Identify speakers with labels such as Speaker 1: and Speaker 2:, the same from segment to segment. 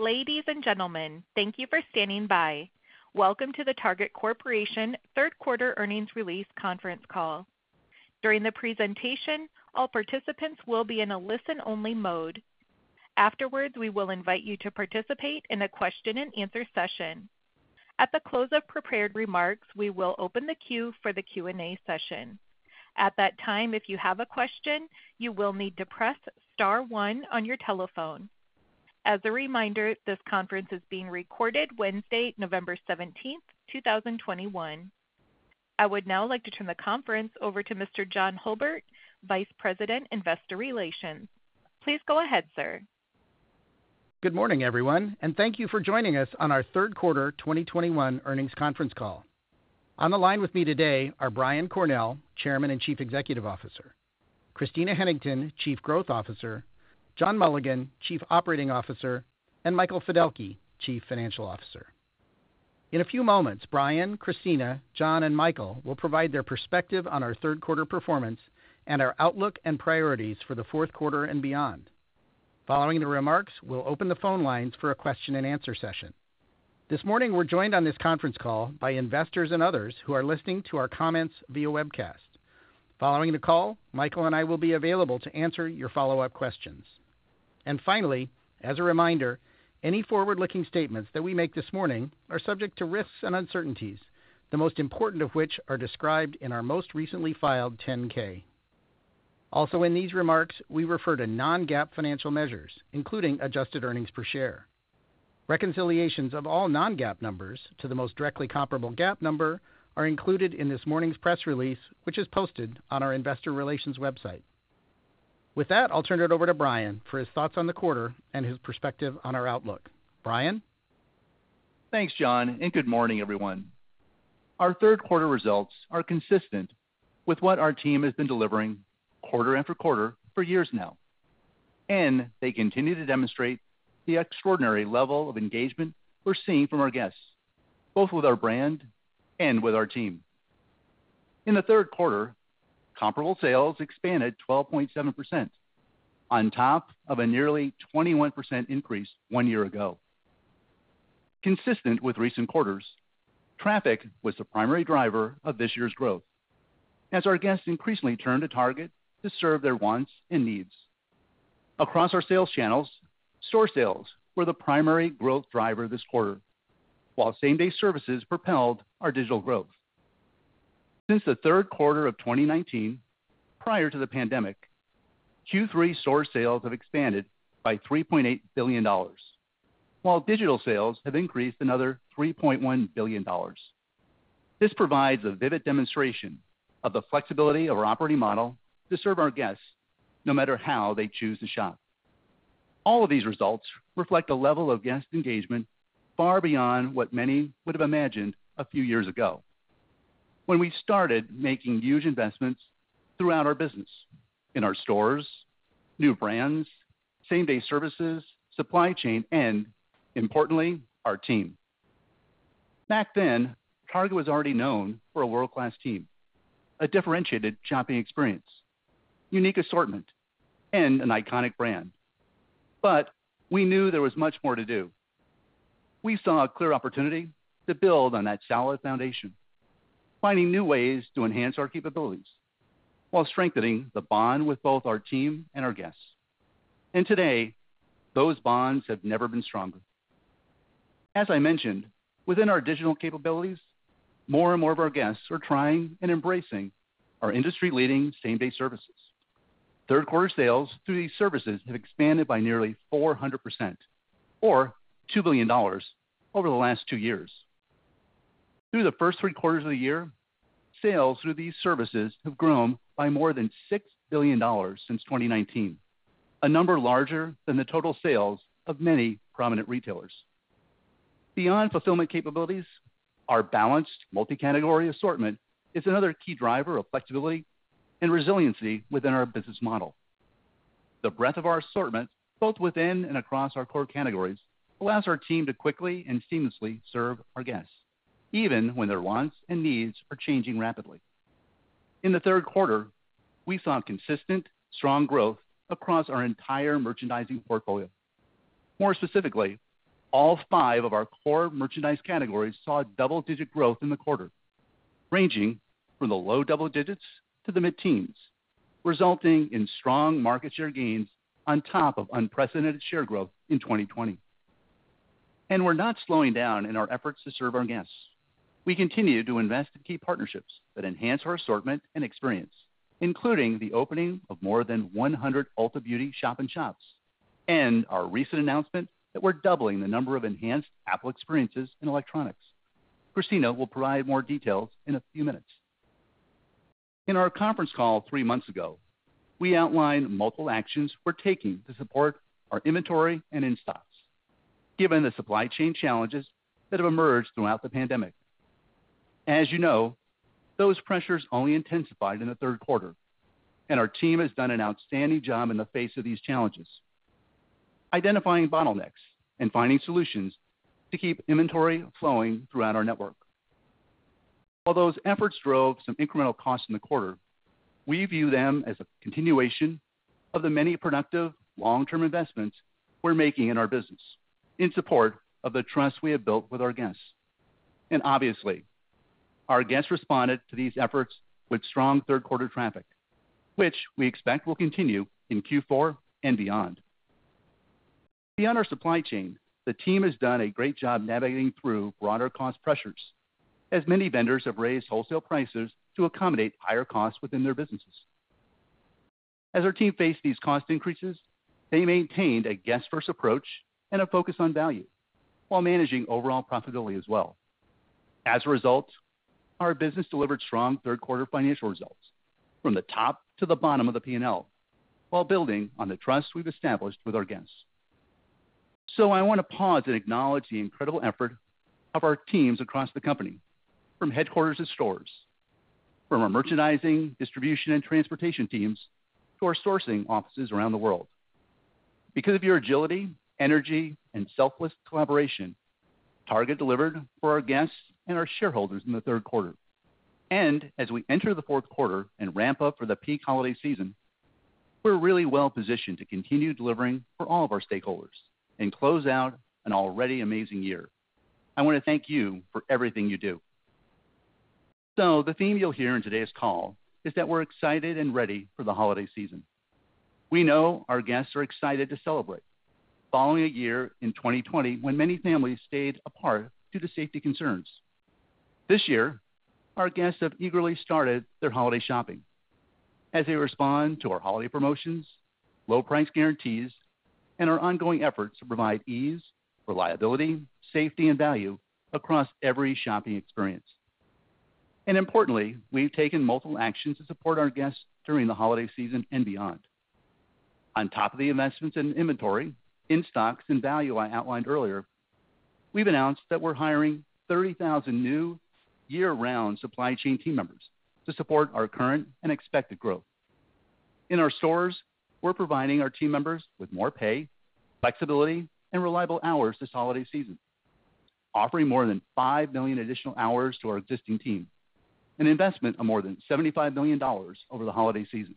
Speaker 1: Ladies and gentlemen, thank you for standing by. Welcome to the Target Corporation Third Quarter Earnings Release Conference Call. During the presentation, all participants will be in a listen-only mode. Afterwards, we will invite you to participate in a question-and-answer session. At the close of prepared remarks, we will open the queue for the Q&A session. At that time, if you have a question, you will need to press star one on your telephone. As a reminder, this conference is being recorded Wednesday, November 17th, 2021. I would now like to turn the conference over to Mr. John Hulbert, Vice President, Investor Relations. Please go ahead, sir.
Speaker 2: Good morning, everyone, and thank you for joining us on our Third Quarter 2021 Earnings Conference Call. On the line with me today are Brian Cornell, Chairman and Chief Executive Officer, Christina Hennington, Chief Growth Officer, John Mulligan, Chief Operating Officer, and Michael Fiddelke, Chief Financial Officer. In a few moments, Brian, Christina, John, and Michael will provide their perspective on our third quarter performance and our outlook and priorities for the fourth quarter and beyond. Following the remarks, we'll open the phone lines for a question-and-answer session. This morning we're joined on this conference call by investors and others who are listening to our comments via webcast. Following the call, Michael and I will be available to answer your follow-up questions. Finally, as a reminder, any forward-looking statements that we make this morning are subject to risks and uncertainties, the most important of which are described in our most recently filed 10-K. Also in these remarks, we refer to non-GAAP financial measures, including adjusted earnings per share. Reconciliations of all non-GAAP numbers to the most directly comparable GAAP number are included in this morning's press release, which is posted on our investor relations website. With that, I'll turn it over to Brian for his thoughts on the quarter and his perspective on our outlook. Brian?
Speaker 3: Thanks, John, and good morning, everyone. Our third quarter results are consistent with what our team has been delivering quarter after quarter for years now, and they continue to demonstrate the extraordinary level of engagement we're seeing from our guests, both with our brand and with our team. In the third quarter, comparable sales expanded 12.7% on top of a nearly 21% increase one year ago. Consistent with recent quarters, traffic was the primary driver of this year's growth as our guests increasingly turn to Target to serve their wants and needs. Across our sales channels, store sales were the primary growth driver this quarter, while same-day services propelled our digital growth. Since the third quarter of 2019, prior to the pandemic, Q3 store sales have expanded by $3.8 billion, while digital sales have increased another $3.1 billion. This provides a vivid demonstration of the flexibility of our operating model to serve our guests no matter how they choose to shop. All of these results reflect a level of guest engagement far beyond what many would have imagined a few years ago when we started making huge investments throughout our business in our stores, new brands, same-day services, supply chain, and importantly, our team. Back then, Target was already known for a world-class team, a differentiated shopping experience, unique assortment, and an iconic brand. We knew there was much more to do. We saw a clear opportunity to build on that solid foundation, finding new ways to enhance our capabilities while strengthening the bond with both our team and our guests. Today, those bonds have never been stronger. As I mentioned, within our digital capabilities, more and more of our guests are trying and embracing our industry-leading same-day services. Third quarter sales through these services have expanded by nearly 400% or $2 billion over the last two years. Through the first three quarters of the year, sales through these services have grown by more than $6 billion since 2019, a number larger than the total sales of many prominent retailers. Beyond fulfillment capabilities, our balanced multi-category assortment is another key driver of flexibility and resiliency within our business model. The breadth of our assortment, both within and across our core categories, allows our team to quickly and seamlessly serve our guests, even when their wants and needs are changing rapidly. In the third quarter, we saw consistent strong growth across our entire merchandising portfolio. More specifically, all five of our core merchandise categories saw double-digit growth in the quarter, ranging from the low double digits to the mid-teens, resulting in strong market share gains on top of unprecedented share growth in 2020. We're not slowing down in our efforts to serve our guests. We continue to invest in key partnerships that enhance our assortment and experience, including the opening of more than 100 Ulta Beauty shop-in-shops and our recent announcement that we're doubling the number of enhanced Apple experiences in electronics. Christina will provide more details in a few minutes. In our conference call three months ago, we outlined multiple actions we're taking to support our inventory and in-stocks given the supply chain challenges that have emerged throughout the pandemic. As you know, those pressures only intensified in the third quarter, and our team has done an outstanding job in the face of these challenges, identifying bottlenecks and finding solutions to keep inventory flowing throughout our network. All those efforts drove some incremental costs in the quarter. We view them as a continuation of the many productive long-term investments we're making in our business in support of the trust we have built with our guests. Obviously, our guests responded to these efforts with strong third quarter traffic, which we expect will continue in Q4 and beyond. Beyond our supply chain, the team has done a great job navigating through broader cost pressures as many vendors have raised wholesale prices to accommodate higher costs within their businesses. As our team faced these cost increases, they maintained a guest first approach and a focus on value while managing overall profitability as well. As a result, our business delivered strong third quarter financial results from the top to the bottom of the P&L while building on the trust we've established with our guests. I wanna pause and acknowledge the incredible effort of our teams across the company, from headquarters to stores, from our merchandising, distribution and transportation teams to our sourcing offices around the world. Because of your agility, energy, and selfless collaboration, Target delivered for our guests and our shareholders in the third quarter. As we enter the fourth quarter and ramp up for the peak holiday season, we're really well-positioned to continue delivering for all of our stakeholders and close out an already amazing year. I wanna thank you for everything you do. The theme you'll hear in today's call is that we're excited and ready for the holiday season. We know our guests are excited to celebrate following a year in 2020 when many families stayed apart due to safety concerns. This year, our guests have eagerly started their holiday shopping as they respond to our holiday promotions, low price guarantees, and our ongoing efforts to provide ease, reliability, safety, and value across every shopping experience. Importantly, we've taken multiple actions to support our guests during the holiday season and beyond. On top of the investments in inventory, in stocks and value I outlined earlier, we've announced that we're hiring 30,000 new year-round supply chain team members to support our current and expected growth. In our stores, we're providing our team members with more pay, flexibility, and reliable hours this holiday season, offering more than 5 million additional hours to our existing team, an investment of more than $75 million over the holiday season.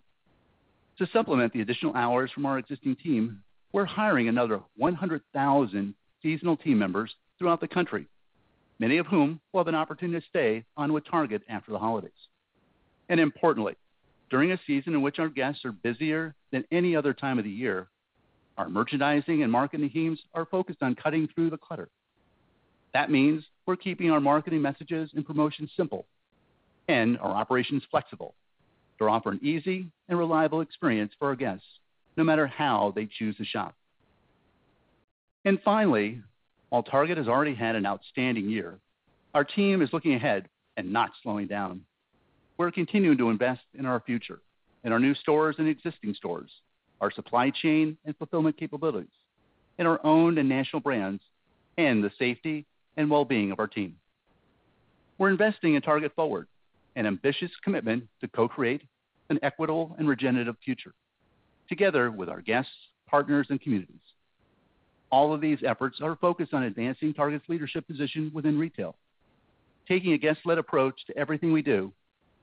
Speaker 3: To supplement the additional hours from our existing team, we're hiring another 100,000 seasonal team members throughout the country, many of whom will have an opportunity to stay on with Target after the holidays. Importantly, during a season in which our guests are busier than any other time of the year, our merchandising and marketing teams are focused on cutting through the clutter. That means we're keeping our marketing messages and promotions simple and our operations flexible to offer an easy and reliable experience for our guests, no matter how they choose to shop. Finally, while Target has already had an outstanding year, our team is looking ahead and not slowing down. We're continuing to invest in our future, in our new stores and existing stores, our supply chain and fulfillment capabilities, in our own and national brands, and the safety and well-being of our team. We're investing in Target Forward, an ambitious commitment to co-create an equitable and regenerative future together with our guests, partners, and communities. All of these efforts are focused on advancing Target's leadership position within retail, taking a guest-led approach to everything we do,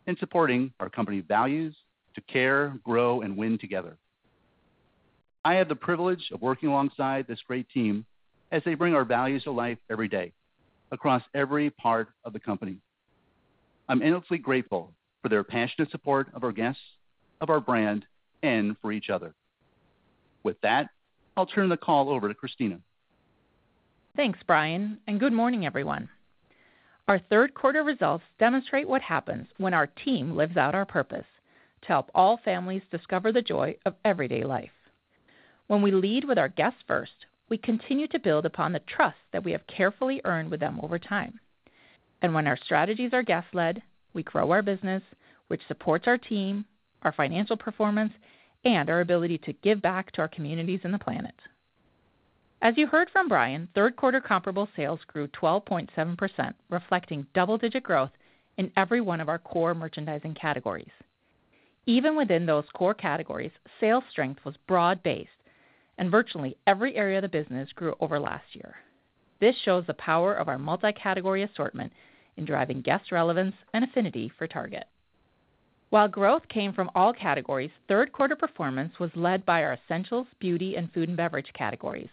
Speaker 3: and supporting our company values to care, grow, and win together. I have the privilege of working alongside this great team as they bring our values to life every day across every part of the company. I'm endlessly grateful for their passionate support of our guests, of our brand, and for each other. With that, I'll turn the call over to Christina.
Speaker 4: Thanks, Brian, and good morning, everyone. Our third quarter results demonstrate what happens when our team lives out our purpose to help all families discover the joy of everyday life. When we lead with our guests first, we continue to build upon the trust that we have carefully earned with them over time. When our strategies are guest-led, we grow our business, which supports our team, our financial performance, and our ability to give back to our communities and the planet. As you heard from Brian, third quarter comparable sales grew 12.7%, reflecting double-digit growth in every one of our core merchandising categories. Even within those core categories, sales strength was broad-based and virtually every area of the business grew over last year. This shows the power of our multi-category assortment in driving guest relevance and affinity for Target. While growth came from all categories, third quarter performance was led by our essentials, beauty, and food and beverage categories,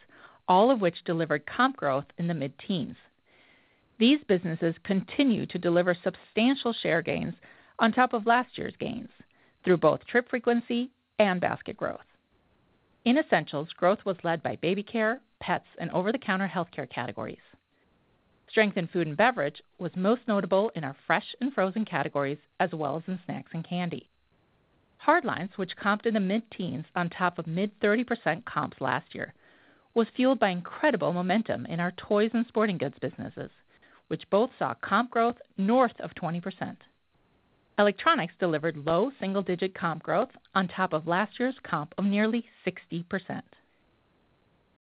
Speaker 4: all of which delivered comp growth in the mid-teens. These businesses continue to deliver substantial share gains on top of last year's gains through both trip frequency and basket growth. In essentials, growth was led by baby care, pets, and over-the-counter healthcare categories. Strength in food and beverage was most notable in our fresh and frozen categories as well as in snacks and candy. Hard lines, which comped in the mid-teens on top of mid-30% comps last year, was fueled by incredible momentum in our toys and sporting goods businesses, which both saw comp growth north of 20%. Electronics delivered low single-digit comp growth on top of last year's comp of nearly 60%.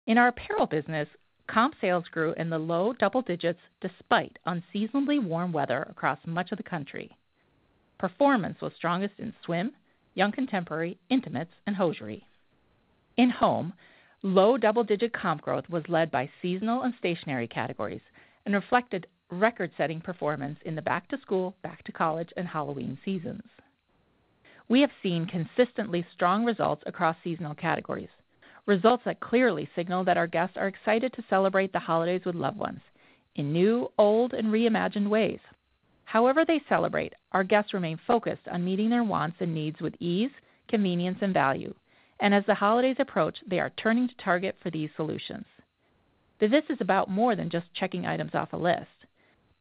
Speaker 4: In our apparel business, comp sales grew in the low double digits despite unseasonably warm weather across much of the country. Performance was strongest in swim, young contemporary, intimates, and hosiery. In home, low double-digit comp growth was led by seasonal and stationary categories and reflected record-setting performance in the back to school, back to college, and Halloween seasons. We have seen consistently strong results across seasonal categories, results that clearly signal that our guests are excited to celebrate the holidays with loved ones in new, old, and reimagined ways. However they celebrate, our guests remain focused on meeting their wants and needs with ease, convenience, and value. As the holidays approach, they are turning to Target for these solutions. This is about more than just checking items off a list.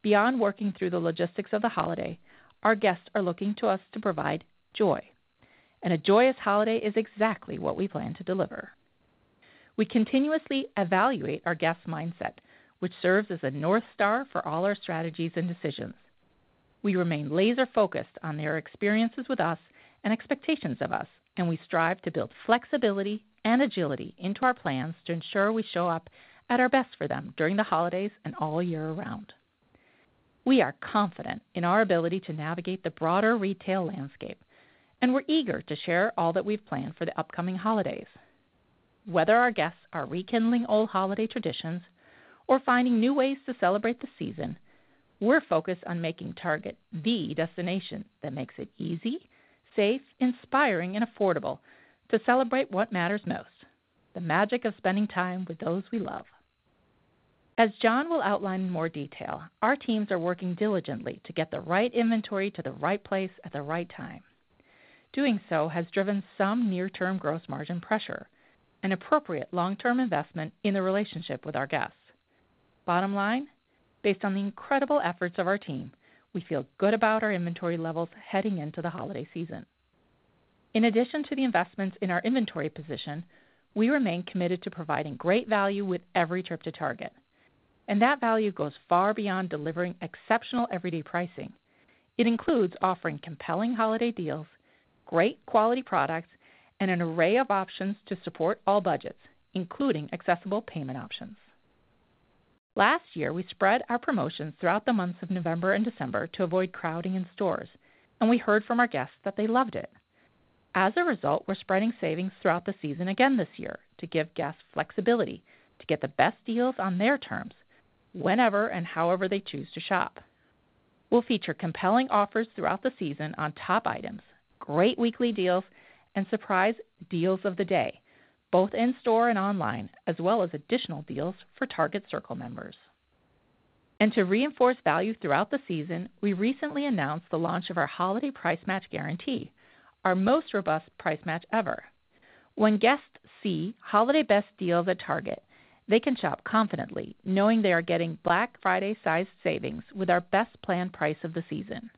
Speaker 4: Beyond working through the logistics of the holiday, our guests are looking to us to provide joy, and a joyous holiday is exactly what we plan to deliver. We continuously evaluate our guests' mindset, which serves as a North Star for all our strategies and decisions. We remain laser-focused on their experiences with us and expectations of us, and we strive to build flexibility and agility into our plans to ensure we show up at our best for them during the holidays and all year round. We are confident in our ability to navigate the broader retail landscape, and we're eager to share all that we've planned for the upcoming holidays. Whether our guests are rekindling old holiday traditions or finding new ways to celebrate the season, we're focused on making Target the destination that makes it easy, safe, inspiring, and affordable to celebrate what matters most, the magic of spending time with those we love. As John will outline in more detail, our teams are working diligently to get the right inventory to the right place at the right time. Doing so has driven some near-term gross margin pressure, an appropriate long-term investment in the relationship with our guests. Bottom line, based on the incredible efforts of our team, we feel good about our inventory levels heading into the holiday season. In addition to the investments in our inventory position, we remain committed to providing great value with every trip to Target, and that value goes far beyond delivering exceptional everyday pricing. It includes offering compelling holiday deals, great quality products, and an array of options to support all budgets, including accessible payment options. Last year, we spread our promotions throughout the months of November and December to avoid crowding in stores, and we heard from our guests that they loved it. As a result, we're spreading savings throughout the season again this year to give guests flexibility to get the best deals on their terms whenever and however they choose to shop. We'll feature compelling offers throughout the season on top items, great weekly deals, and surprise deals of the day, both in-store and online, as well as additional deals for Target Circle members. To reinforce value throughout the season, we recently announced the launch of our holiday price match guarantee, our most robust price match ever. When guests see holiday best deals at Target, they can shop confidently knowing they are getting Black Friday sized savings with our best planned price of the season.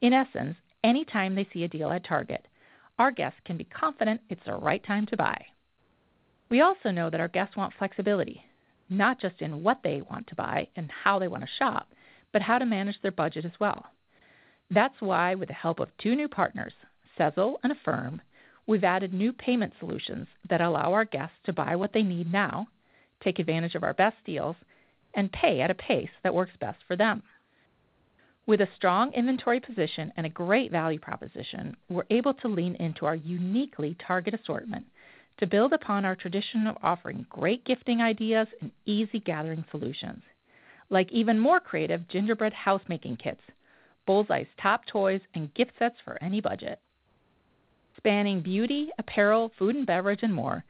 Speaker 4: In essence, anytime they see a deal at Target, our guests can be confident it's the right time to buy. We also know that our guests want flexibility, not just in what they want to buy and how they want to shop, but how to manage their budget as well. That's why with the help of two new partners, Sezzle and Affirm, we've added new payment solutions that allow our guests to buy what they need now, take advantage of our best deals, and pay at a pace that works best for them. With a strong inventory position and a great value proposition, we're able to lean into our uniquely Target assortment to build upon our tradition of offering great gifting ideas and easy gathering solutions like even more creative gingerbread house making kits, Bullseye's Top Toys, and gift sets for any budget. Spanning beauty, apparel, food and beverage, and more,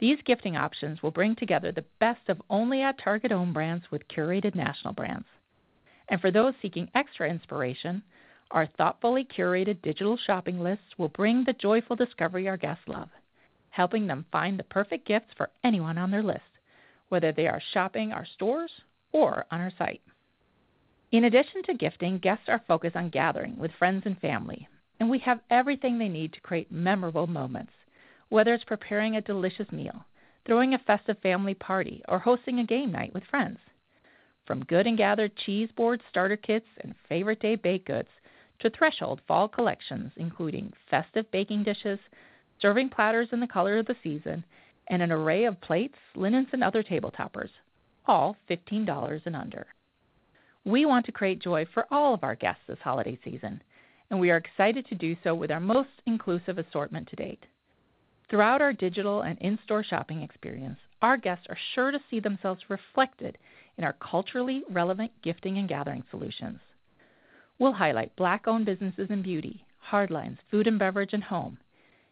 Speaker 4: these gifting options will bring together the best of only at Target own brands with curated national brands. For those seeking extra inspiration, our thoughtfully curated digital shopping lists will bring the joyful discovery our guests love, helping them find the perfect gifts for anyone on their list, whether they are shopping our stores or on our site. In addition to gifting, guests are focused on gathering with friends and family, and we have everything they need to create memorable moments, whether it's preparing a delicious meal, throwing a festive family party, or hosting a game night with friends. From Good & Gather cheese board starter kits and Favorite Day baked goods to Threshold fall collections, including festive baking dishes, serving platters in the color of the season, and an array of plates, linens, and other table toppers, all $15 and under. We want to create joy for all of our guests this holiday season, and we are excited to do so with our most inclusive assortment to date. Throughout our digital and in-store shopping experience, our guests are sure to see themselves reflected in our culturally relevant gifting and gathering solutions. We'll highlight Black-owned businesses in beauty, hard lines, food and beverage, and home,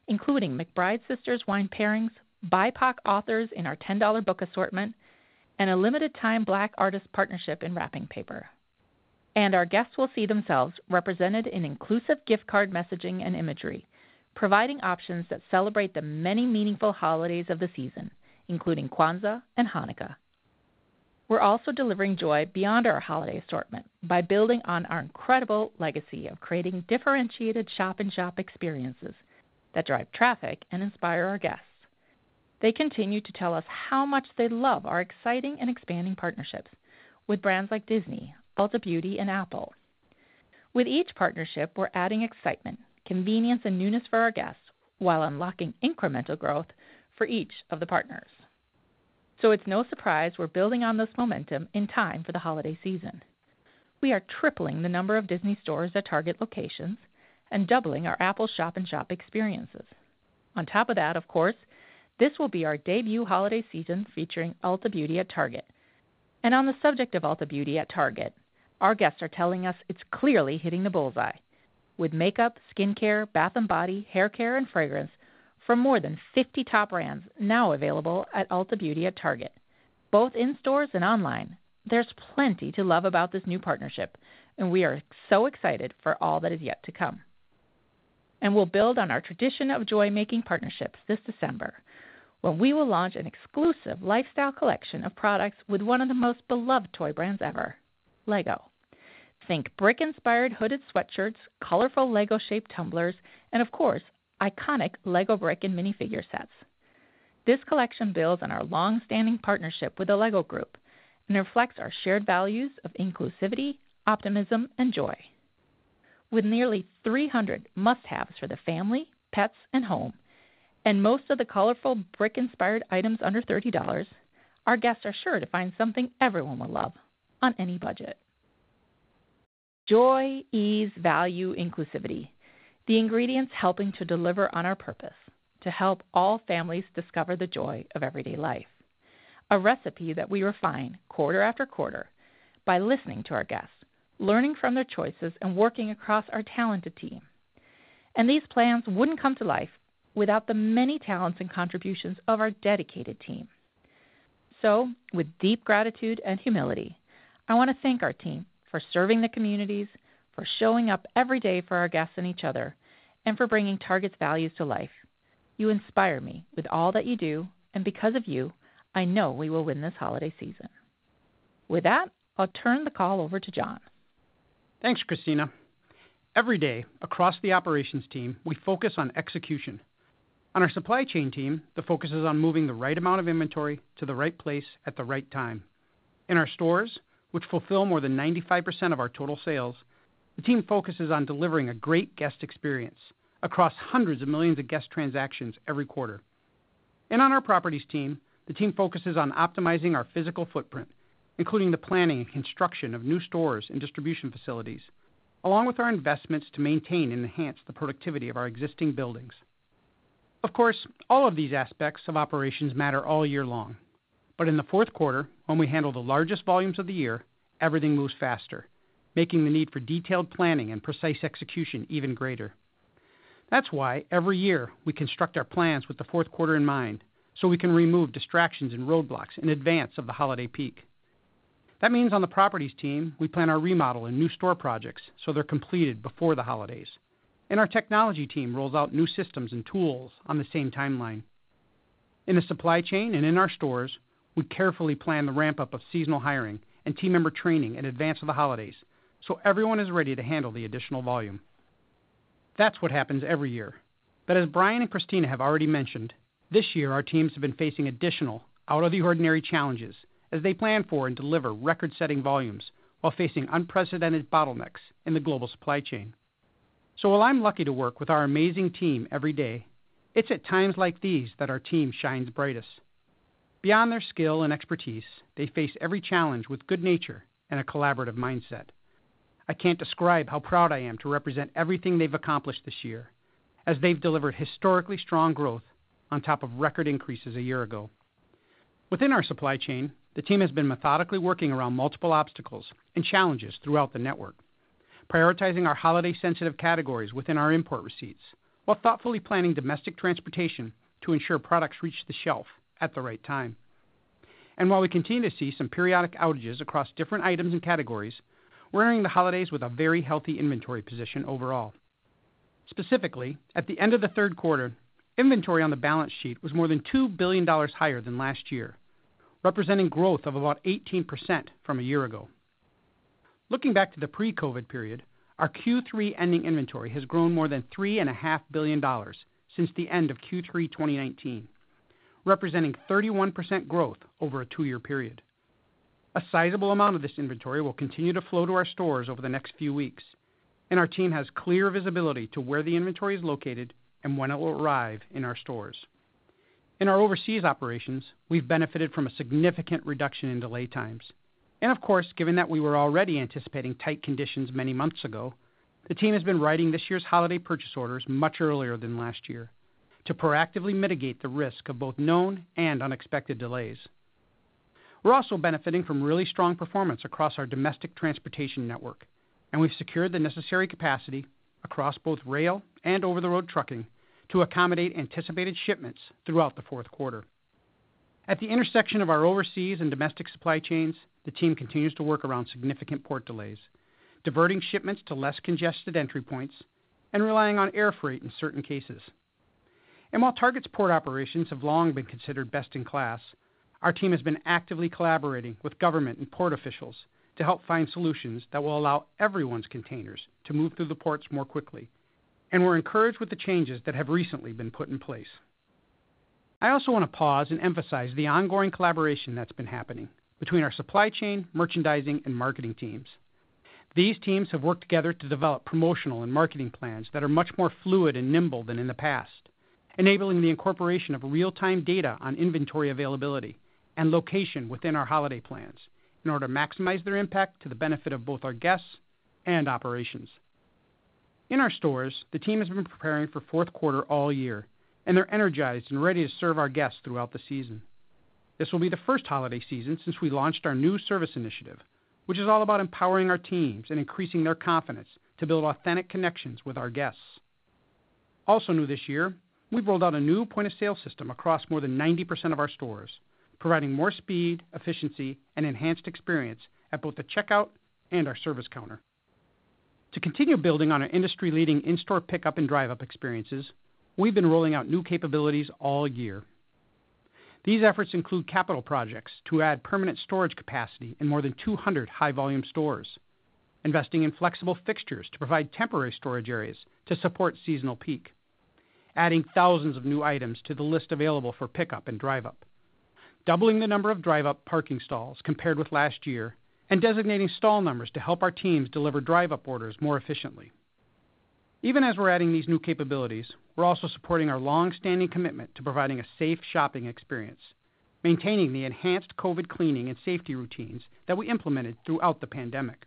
Speaker 4: including McBride Sisters wine pairings, BIPOC authors in our $10 book assortment, and a limited time Black artist partnership in wrapping paper. Our guests will see themselves represented in inclusive gift card messaging and imagery, providing options that celebrate the many meaningful holidays of the season, including Kwanzaa and Hanukkah. We're also delivering joy beyond our holiday assortment by building on our incredible legacy of creating differentiated shop in shop experiences that drive traffic and inspire our guests. They continue to tell us how much they love our exciting and expanding partnerships with brands like Disney, Ulta Beauty, and Apple. With each partnership, we're adding excitement, convenience, and newness for our guests while unlocking incremental growth for each of the partners. It's no surprise we're building on this momentum in time for the holiday season. We are tripling the number of Disney stores at Target locations and doubling our Apple shop-in-shop experiences. On top of that, of course, this will be our debut holiday season featuring Ulta Beauty at Target. On the subject of Ulta Beauty at Target, our guests are telling us it's clearly hitting the bull's-eye with makeup, skincare, bath and body, hair care, and fragrance from more than 50 top brands now available at Ulta Beauty at Target, both in stores and online. There's plenty to love about this new partnership, and we are so excited for all that is yet to come. We'll build on our tradition of joy making partnerships this December, when we will launch an exclusive lifestyle collection of products with one of the most beloved toy brands ever, Lego. Think brick-inspired hooded sweatshirts, colorful Lego shaped tumblers, and of course, iconic Lego brick and minifigure sets. This collection builds on our long-standing partnership with the Lego Group and reflects our shared values of inclusivity, optimism, and joy. With nearly 300 must-haves for the family, pets, and home, and most of the colorful brick-inspired items under $30, our guests are sure to find something everyone will love on any budget. Joy, ease, value, inclusivity, the ingredients helping to deliver on our purpose to help all families discover the joy of everyday life. A recipe that we refine quarter after quarter by listening to our guests, learning from their choices, and working across our talented team. These plans wouldn't come to life without the many talents and contributions of our dedicated team. With deep gratitude and humility, I want to thank our team for serving the communities, for showing up every day for our guests and each other, and for bringing Target's values to life. You inspire me with all that you do, and because of you, I know we will win this holiday season. With that, I'll turn the call over to John.
Speaker 5: Thanks, Christina. Every day across the operations team, we focus on execution. On our supply chain team, the focus is on moving the right amount of inventory to the right place at the right time. In our stores, which fulfill more than 95% of our total sales, the team focuses on delivering a great guest experience across hundreds of millions of guest transactions every quarter. On our properties team, the team focuses on optimizing our physical footprint, including the planning and construction of new stores and distribution facilities, along with our investments to maintain and enhance the productivity of our existing buildings. Of course, all of these aspects of operations matter all year long. In the fourth quarter, when we handle the largest volumes of the year, everything moves faster, making the need for detailed planning and precise execution even greater. That's why every year we construct our plans with the fourth quarter in mind, so we can remove distractions and roadblocks in advance of the holiday peak. That means on the properties team, we plan our remodel and new store projects so they're completed before the holidays. Our technology team rolls out new systems and tools on the same timeline. In the supply chain and in our stores, we carefully plan the ramp-up of seasonal hiring and team member training in advance of the holidays, so everyone is ready to handle the additional volume. That's what happens every year. As Brian and Christina have already mentioned, this year our teams have been facing additional out of the ordinary challenges as they plan for and deliver record-setting volumes while facing unprecedented bottlenecks in the global supply chain. While I'm lucky to work with our amazing team every day, it's at times like these that our team shines brightest. Beyond their skill and expertise, they face every challenge with good nature and a collaborative mindset. I can't describe how proud I am to represent everything they've accomplished this year as they've delivered historically strong growth on top of record increases a year ago. Within our supply chain, the team has been methodically working around multiple obstacles and challenges throughout the network, prioritizing our holiday sensitive categories within our import receipts, while thoughtfully planning domestic transportation to ensure products reach the shelf at the right time. While we continue to see some periodic outages across different items and categories, we're entering the holidays with a very healthy inventory position overall. Specifically, at the end of the third quarter, inventory on the balance sheet was more than $2 billion higher than last year, representing growth of about 18% from a year ago. Looking back to the pre-COVID period, our Q3 ending inventory has grown more than $3.5 billion since the end of Q3 2019, representing 31% growth over a two-year period. A sizable amount of this inventory will continue to flow to our stores over the next few weeks, and our team has clear visibility to where the inventory is located and when it will arrive in our stores. In our overseas operations, we've benefited from a significant reduction in delay times. Of course, given that we were already anticipating tight conditions many months ago, the team has been writing this year's holiday purchase orders much earlier than last year to proactively mitigate the risk of both known and unexpected delays. We're also benefiting from really strong performance across our domestic transportation network, and we've secured the necessary capacity across both rail and over-the-road trucking to accommodate anticipated shipments throughout the fourth quarter. At the intersection of our overseas and domestic supply chains, the team continues to work around significant port delays, diverting shipments to less congested entry points and relying on air freight in certain cases. While Target's port operations have long been considered best in class, our team has been actively collaborating with government and port officials to help find solutions that will allow everyone's containers to move through the ports more quickly. We're encouraged with the changes that have recently been put in place. I also want to pause and emphasize the ongoing collaboration that's been happening between our supply chain, merchandising, and marketing teams. These teams have worked together to develop promotional and marketing plans that are much more fluid and nimble than in the past, enabling the incorporation of real-time data on inventory availability and location within our holiday plans in order to maximize their impact to the benefit of both our guests and operations. In our stores, the team has been preparing for fourth quarter all year, and they're energized and ready to serve our guests throughout the season. This will be the first holiday season since we launched our new service initiative, which is all about empowering our teams and increasing their confidence to build authentic connections with our guests. Also new this year, we've rolled out a new point-of-sale system across more than 90% of our stores, providing more speed, efficiency, and enhanced experience at both the checkout and our service counter. To continue building on our industry-leading in-store pickup and Drive Up experiences, we've been rolling out new capabilities all year. These efforts include capital projects to add permanent storage capacity in more than 200 high-volume stores, investing in flexible fixtures to provide temporary storage areas to support seasonal peak, adding thousands of new items to the list available for pickup and Drive Up, doubling the number of Drive Up parking stalls compared with last year and designating stall numbers to help our teams deliver Drive Up orders more efficiently. Even as we're adding these new capabilities, we're also supporting our long-standing commitment to providing a safe shopping experience, maintaining the enhanced COVID cleaning and safety routines that we implemented throughout the pandemic.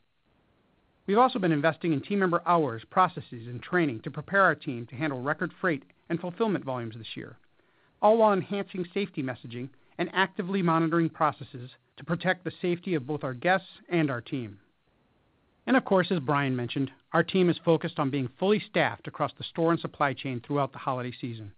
Speaker 5: We've also been investing in team member hours, processes, and training to prepare our team to handle record freight and fulfillment volumes this year, all while enhancing safety messaging and actively monitoring processes to protect the safety of both our guests and our team. Of course, as Brian mentioned, our team is focused on being fully staffed across the store and supply chain throughout the holiday season.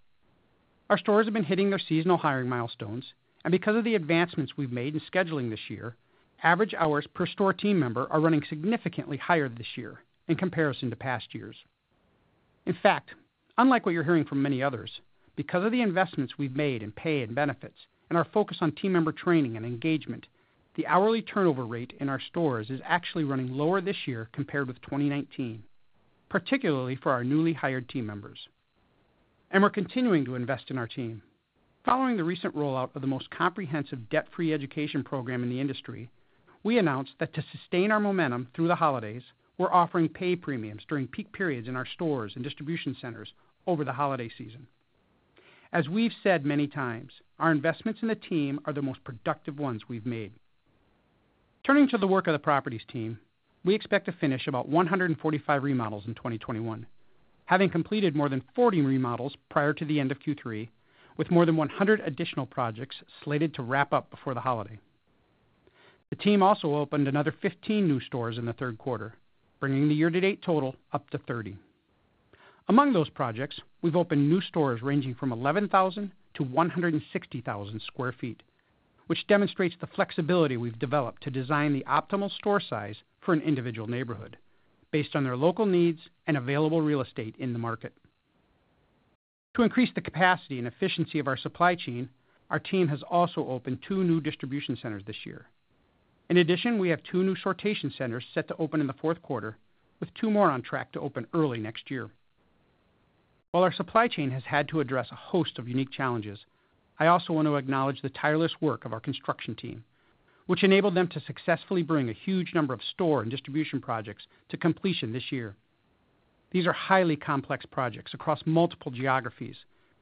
Speaker 5: Our stores have been hitting their seasonal hiring milestones, and because of the advancements we've made in scheduling this year, average hours per store team member are running significantly higher this year in comparison to past years. In fact, unlike what you're hearing from many others, because of the investments we've made in pay and benefits and our focus on team member training and engagement, the hourly turnover rate in our stores is actually running lower this year compared with 2019, particularly for our newly hired team members. We're continuing to invest in our team. Following the recent rollout of the most comprehensive debt-free education program in the industry, we announced that to sustain our momentum through the holidays, we're offering pay premiums during peak periods in our stores and distribution centers over the holiday season. As we've said many times, our investments in the team are the most productive ones we've made. Turning to the work of the properties team, we expect to finish about 145 remodels in 2021, having completed more than 40 remodels prior to the end of Q3, with more than 100 additional projects slated to wrap up before the holiday. The team also opened another 15 new stores in the third quarter, bringing the year-to-date total up to 30. Among those projects, we've opened new stores ranging from 11,000 sq ft-160,000 sq ft, which demonstrates the flexibility we've developed to design the optimal store size for an individual neighborhood based on their local needs and available real estate in the market. To increase the capacity and efficiency of our supply chain, our team has also opened two new distribution centers this year. In addition, we have two new sortation centers set to open in the fourth quarter, with two more on track to open early next year. While our supply chain has had to address a host of unique challenges, I also want to acknowledge the tireless work of our construction team, which enabled them to successfully bring a huge number of store and distribution projects to completion this year. These are highly complex projects across multiple geographies,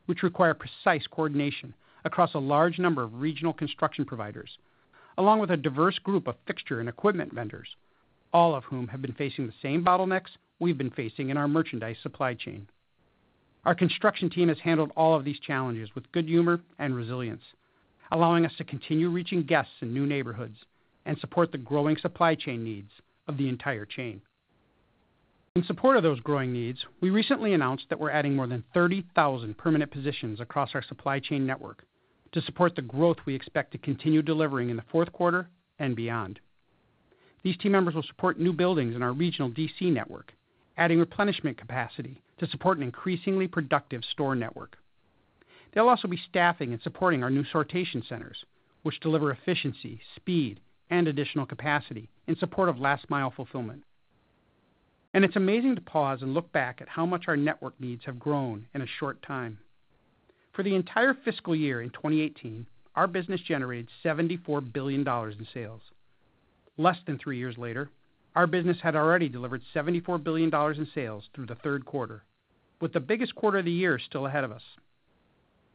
Speaker 5: which require precise coordination across a large number of regional construction providers, along with a diverse group of fixture and equipment vendors, all of whom have been facing the same bottlenecks we've been facing in our merchandise supply chain. Our construction team has handled all of these challenges with good humor and resilience, allowing us to continue reaching guests in new neighborhoods and support the growing supply chain needs of the entire chain. In support of those growing needs, we recently announced that we're adding more than 30,000 permanent positions across our supply chain network to support the growth we expect to continue delivering in the fourth quarter and beyond. These team members will support new buildings in our regional DC network, adding replenishment capacity to support an increasingly productive store network. They'll also be staffing and supporting our new sortation centers, which deliver efficiency, speed, and additional capacity in support of last mile fulfillment. It's amazing to pause and look back at how much our network needs have grown in a short time. For the entire fiscal year in 2018, our business generated $74 billion in sales. Less than three years later, our business had already delivered $74 billion in sales through the third quarter, with the biggest quarter of the year still ahead of us.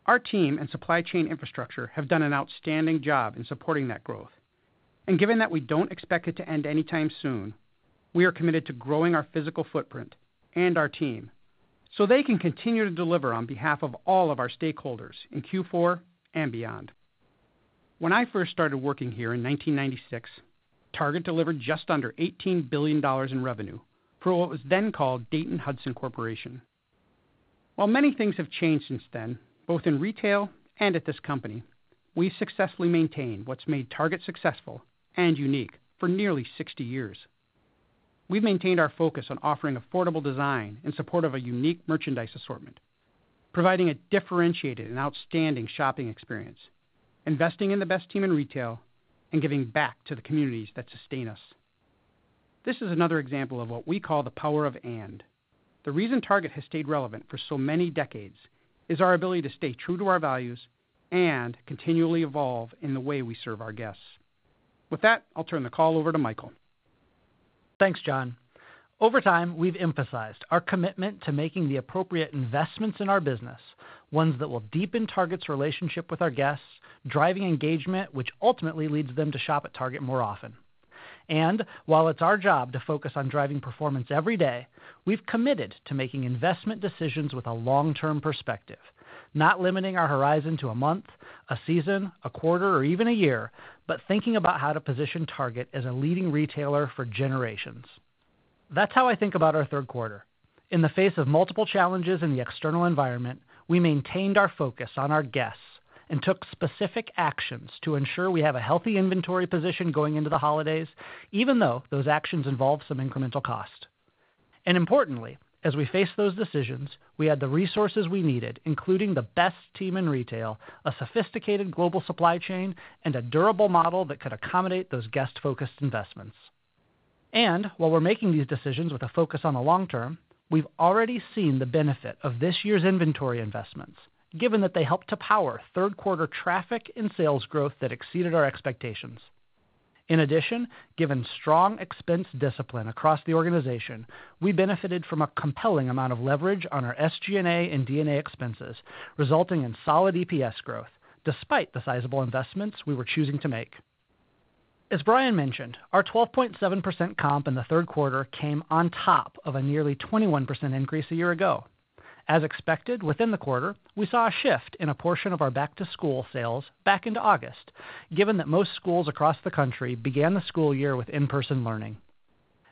Speaker 5: Our team and supply chain infrastructure have done an outstanding job in supporting that growth. Given that we don't expect it to end anytime soon, we are committed to growing our physical footprint and our team so they can continue to deliver on behalf of all of our stakeholders in Q4 and beyond. When I first started working here in 1996, Target delivered just under $18 billion in revenue for what was then called Dayton-Hudson Corporation. While many things have changed since then, both in retail and at this company, we've successfully maintained what's made Target successful and unique for nearly 60 years. We've maintained our focus on offering affordable design in support of a unique merchandise assortment, providing a differentiated and outstanding shopping experience, investing in the best team in retail, and giving back to the communities that sustain us. This is another example of what we call the power of and. The reason Target has stayed relevant for so many decades is our ability to stay true to our values and continually evolve in the way we serve our guests. With that, I'll turn the call over to Michael.
Speaker 6: Thanks, John. Over time, we've emphasized our commitment to making the appropriate investments in our business, ones that will deepen Target's relationship with our guests, driving engagement, which ultimately leads them to shop at Target more often. While it's our job to focus on driving performance every day, we've committed to making investment decisions with a long-term perspective, not limiting our horizon to a month, a season, a quarter, or even a year, but thinking about how to position Target as a leading retailer for generations. That's how I think about our third quarter. In the face of multiple challenges in the external environment, we maintained our focus on our guests and took specific actions to ensure we have a healthy inventory position going into the holidays, even though those actions involved some incremental cost. Importantly, as we face those decisions, we had the resources we needed, including the best team in retail, a sophisticated global supply chain, and a durable model that could accommodate those guest-focused investments. While we're making these decisions with a focus on the long term, we've already seen the benefit of this year's inventory investments, given that they helped to power third quarter traffic and sales growth that exceeded our expectations. In addition, given strong expense discipline across the organization, we benefited from a compelling amount of leverage on our SG&A and D&A expenses, resulting in solid EPS growth despite the sizable investments we were choosing to make. As Brian mentioned, our 12.7% comp in the third quarter came on top of a nearly 21% increase a year ago. As expected, within the quarter, we saw a shift in a portion of our back-to-school sales back into August, given that most schools across the country began the school year with in-person learning.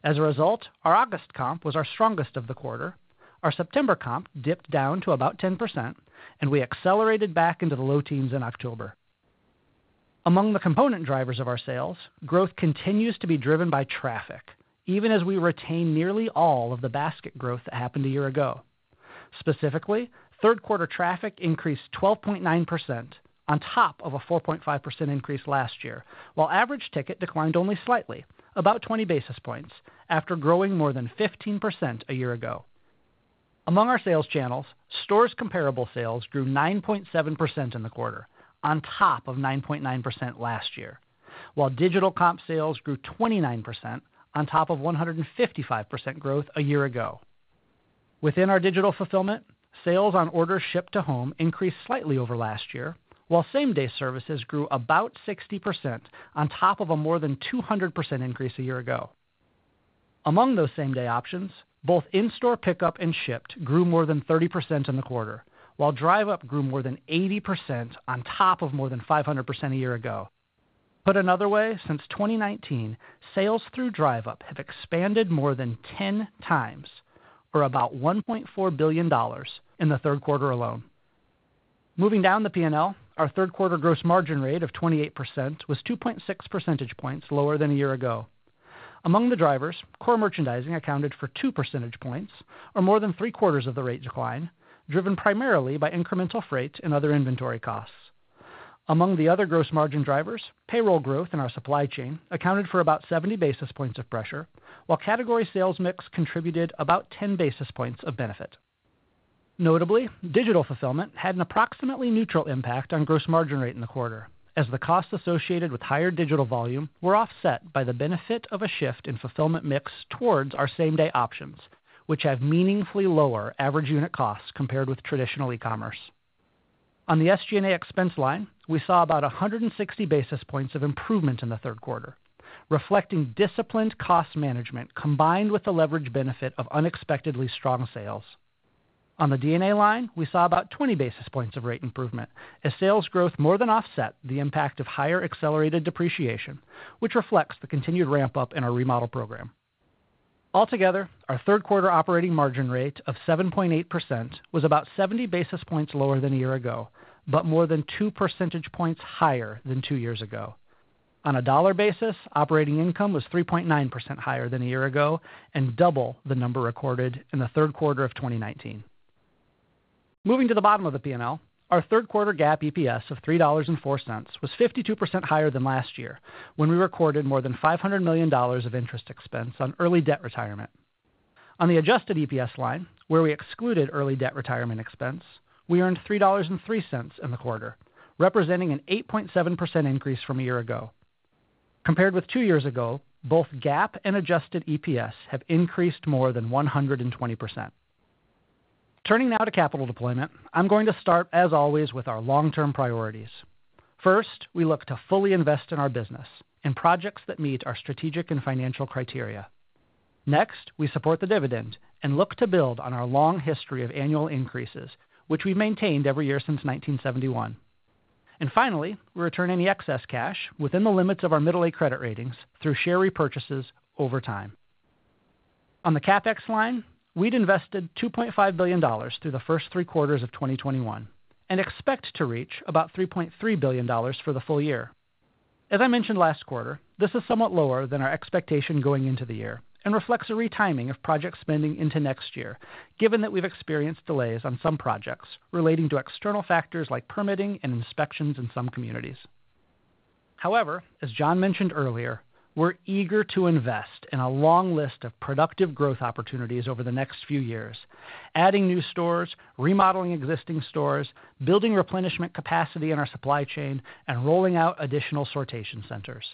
Speaker 6: As a result, our August comp was our strongest of the quarter. Our September comp dipped down to about 10%, and we accelerated back into the low teens in October. Among the component drivers of our sales, growth continues to be driven by traffic, even as we retain nearly all of the basket growth that happened a year ago. Specifically, third quarter traffic increased 12.9% on top of a 4.5% increase last year, while average ticket declined only slightly, about 20 basis points, after growing more than 15% a year ago. Among our sales channels, stores' comparable sales grew 9.7% in the quarter on top of 9.9% last year, while digital comp sales grew 29% on top of 155% growth a year ago. Within our digital fulfillment, sales on orders shipped to home increased slightly over last year, while same-day services grew about 60% on top of a more than 200% increase a year ago. Among those same-day options, both in-store pickup and shipped grew more than 30% in the quarter, while Drive Up grew more than 80% on top of more than 500% a year ago. Put another way, since 2019, sales through Drive Up have expanded more than 10x, or about $1.4 billion in the third quarter alone. Moving down the P&L, our third quarter gross margin rate of 28% was 2.6 percentage points lower than a year ago. Among the drivers, core merchandising accounted for 2 percentage points, or more than three-quarters of the rate decline, driven primarily by incremental freight and other inventory costs. Among the other gross margin drivers, payroll growth in our supply chain accounted for about 70 basis points of pressure, while category sales mix contributed about 10 basis points of benefit. Notably, digital fulfillment had an approximately neutral impact on gross margin rate in the quarter, as the costs associated with higher digital volume were offset by the benefit of a shift in fulfillment mix towards our same-day options, which have meaningfully lower average unit costs compared with traditional e-commerce. On the SG&A expense line, we saw about 160 basis points of improvement in the third quarter, reflecting disciplined cost management combined with the leverage benefit of unexpectedly strong sales. On the D&A line, we saw about 20 basis points of rate improvement as sales growth more than offset the impact of higher accelerated depreciation, which reflects the continued ramp-up in our remodel program. Altogether, our third quarter operating margin rate of 7.8% was about 70 basis points lower than a year ago, but more than 2 percentage points higher than two years ago. On a dollar basis, operating income was 3.9% higher than a year ago and double the number recorded in the third quarter of 2019. Moving to the bottom of the P&L, our third quarter GAAP EPS of $3.04 was 52% higher than last year, when we recorded more than $500 million of interest expense on early debt retirement. On the adjusted EPS line, where we excluded early debt retirement expense, we earned $3.03 in the quarter, representing an 8.7% increase from a year ago. Compared with two years ago, both GAAP and adjusted EPS have increased more than 120%. Turning now to capital deployment. I'm going to start, as always, with our long-term priorities. First, we look to fully invest in our business in projects that meet our strategic and financial criteria. Next, we support the dividend and look to build on our long history of annual increases, which we've maintained every year since 1971. Finally, we return any excess cash within the limits of our middle A credit ratings through share repurchases over time. On the CapEx line, we'd invested $2.5 billion through the first three quarters of 2021 and expect to reach about $3.3 billion for the full year. As I mentioned last quarter, this is somewhat lower than our expectation going into the year and reflects a retiming of project spending into next year, given that we've experienced delays on some projects relating to external factors like permitting and inspections in some communities. However, as John mentioned earlier, we're eager to invest in a long list of productive growth opportunities over the next few years, adding new stores, remodeling existing stores, building replenishment capacity in our supply chain, and rolling out additional sortation centers.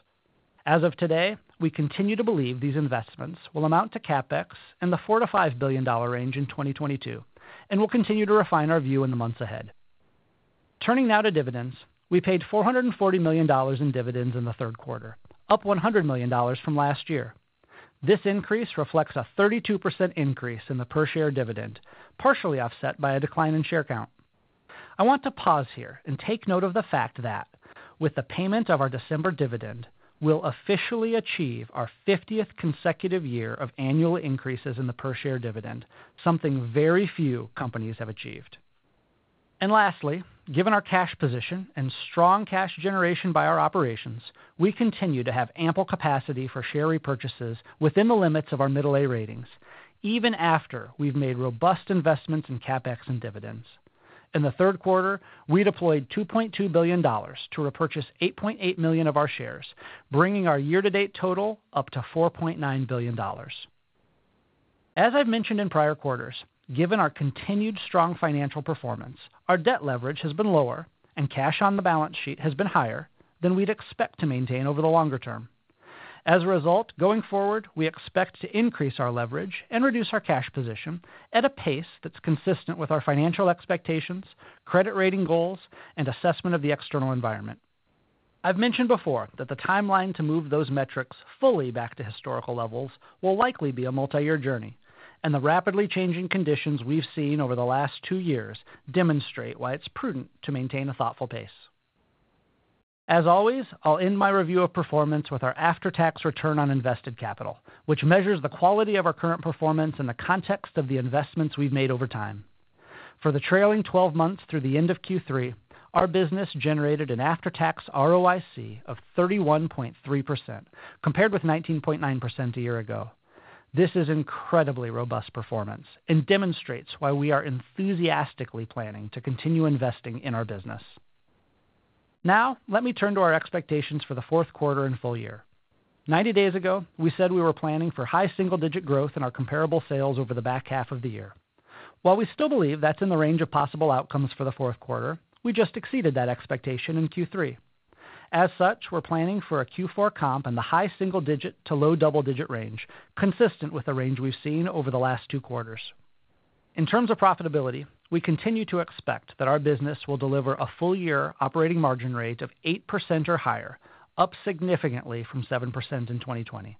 Speaker 6: As of today, we continue to believe these investments will amount to CapEx in the $4 billion-$5 billion range in 2022, and we'll continue to refine our view in the months ahead. Turning now to dividends, we paid $440 million in dividends in the third quarter, up $100 million from last year. This increase reflects a 32% increase in the per share dividend, partially offset by a decline in share count. I want to pause here and take note of the fact that with the payment of our December dividend, we'll officially achieve our 50th consecutive year of annual increases in the per share dividend, something very few companies have achieved. Lastly, given our cash position and strong cash generation by our operations, we continue to have ample capacity for share repurchases within the limits of our middle A ratings, even after we've made robust investments in CapEx and dividends. In the third quarter, we deployed $2.2 billion to repurchase 8.8 million of our shares, bringing our year-to-date total up to $4.9 billion. As I've mentioned in prior quarters, given our continued strong financial performance, our debt leverage has been lower and cash on the balance sheet has been higher than we'd expect to maintain over the longer term. As a result, going forward, we expect to increase our leverage and reduce our cash position at a pace that's consistent with our financial expectations, credit rating goals, and assessment of the external environment. I've mentioned before that the timeline to move those metrics fully back to historical levels will likely be a multi-year journey, and the rapidly changing conditions we've seen over the last two years demonstrate why it's prudent to maintain a thoughtful pace. As always, I'll end my review of performance with our after-tax return on invested capital, which measures the quality of our current performance in the context of the investments we've made over time. For the trailing 12 months through the end of Q3, our business generated an after-tax ROIC of 31.3%, compared with 19.9% a year ago. This is incredibly robust performance and demonstrates why we are enthusiastically planning to continue investing in our business. Now, let me turn to our expectations for the fourth quarter and full year. 90 days ago, we said we were planning for high single-digit growth in our comparable sales over the back half of the year. While we still believe that's in the range of possible outcomes for the fourth quarter, we just exceeded that expectation in Q3. As such, we're planning for a Q4 comp in the high single-digit to low double-digit range, consistent with the range we've seen over the last two quarters. In terms of profitability, we continue to expect that our business will deliver a full year operating margin rate of 8% or higher, up significantly from 7% in 2020.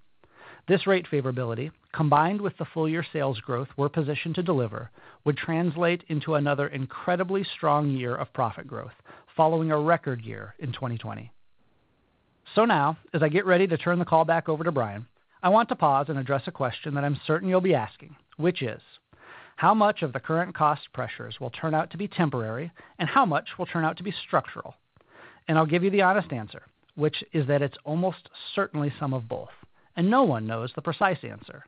Speaker 6: This rate favorability, combined with the full year sales growth we're positioned to deliver, would translate into another incredibly strong year of profit growth following a record year in 2020. Now, as I get ready to turn the call back over to Brian, I want to pause and address a question that I'm certain you'll be asking, which is, how much of the current cost pressures will turn out to be temporary, and how much will turn out to be structural? I'll give you the honest answer, which is that it's almost certainly some of both, and no one knows the precise answer.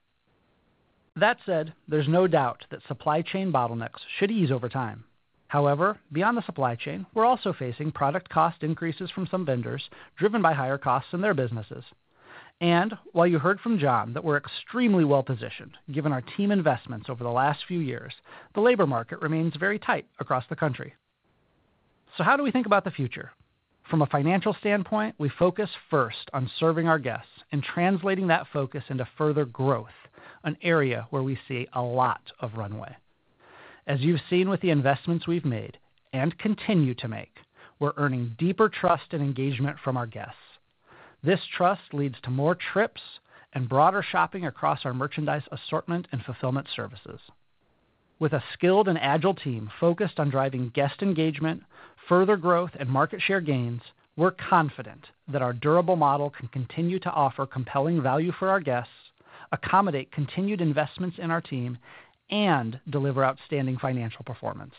Speaker 6: That said, there's no doubt that supply chain bottlenecks should ease over time. However, beyond the supply chain, we're also facing product cost increases from some vendors driven by higher costs in their businesses. While you heard from John that we're extremely well positioned given our team investments over the last few years, the labor market remains very tight across the country. How do we think about the future? From a financial standpoint, we focus first on serving our guests and translating that focus into further growth, an area where we see a lot of runway. As you've seen with the investments we've made and continue to make, we're earning deeper trust and engagement from our guests. This trust leads to more trips and broader shopping across our merchandise assortment and fulfillment services. With a skilled and agile team focused on driving guest engagement, further growth, and market share gains, we're confident that our durable model can continue to offer compelling value for our guests, accommodate continued investments in our team, and deliver outstanding financial performance,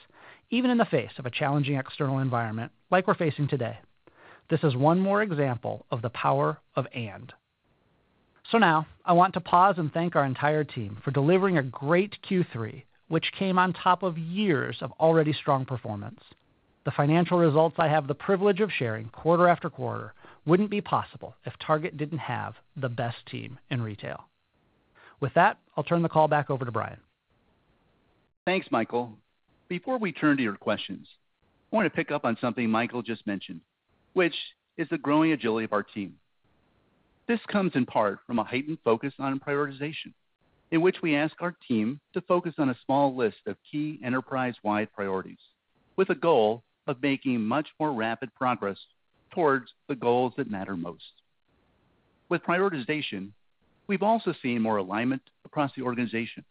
Speaker 6: even in the face of a challenging external environment like we're facing today. This is one more example of the power of and. Now I want to pause and thank our entire team for delivering a great Q3, which came on top of years of already strong performance. The financial results I have the privilege of sharing quarter after quarter wouldn't be possible if Target didn't have the best team in retail. With that, I'll turn the call back over to Brian.
Speaker 3: Thanks, Michael. Before we turn to your questions, I want to pick up on something Michael just mentioned, which is the growing agility of our team. This comes in part from a heightened focus on prioritization, in which we ask our team to focus on a small list of key enterprise-wide priorities with a goal of making much more rapid progress towards the goals that matter most. With prioritization, we've also seen more alignment across the organization.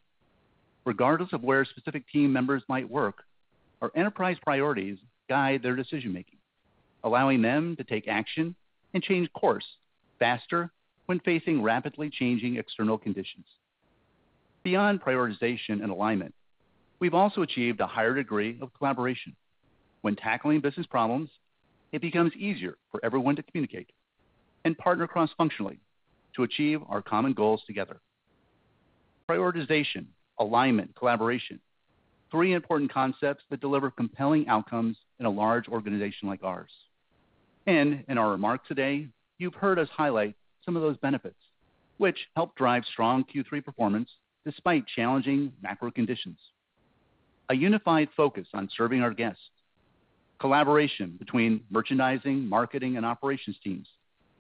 Speaker 3: Regardless of where specific team members might work, our enterprise priorities guide their decision-making, allowing them to take action and change course faster when facing rapidly changing external conditions. Beyond prioritization and alignment, we've also achieved a higher degree of collaboration. When tackling business problems, it becomes easier for everyone to communicate and partner cross-functionally to achieve our common goals together. Prioritization, alignment, collaboration. Three important concepts that deliver compelling outcomes in a large organization like ours. In our remarks today, you've heard us highlight some of those benefits, which help drive strong Q3 performance despite challenging macro conditions, a unified focus on serving our guests, collaboration between merchandising, marketing, and operations teams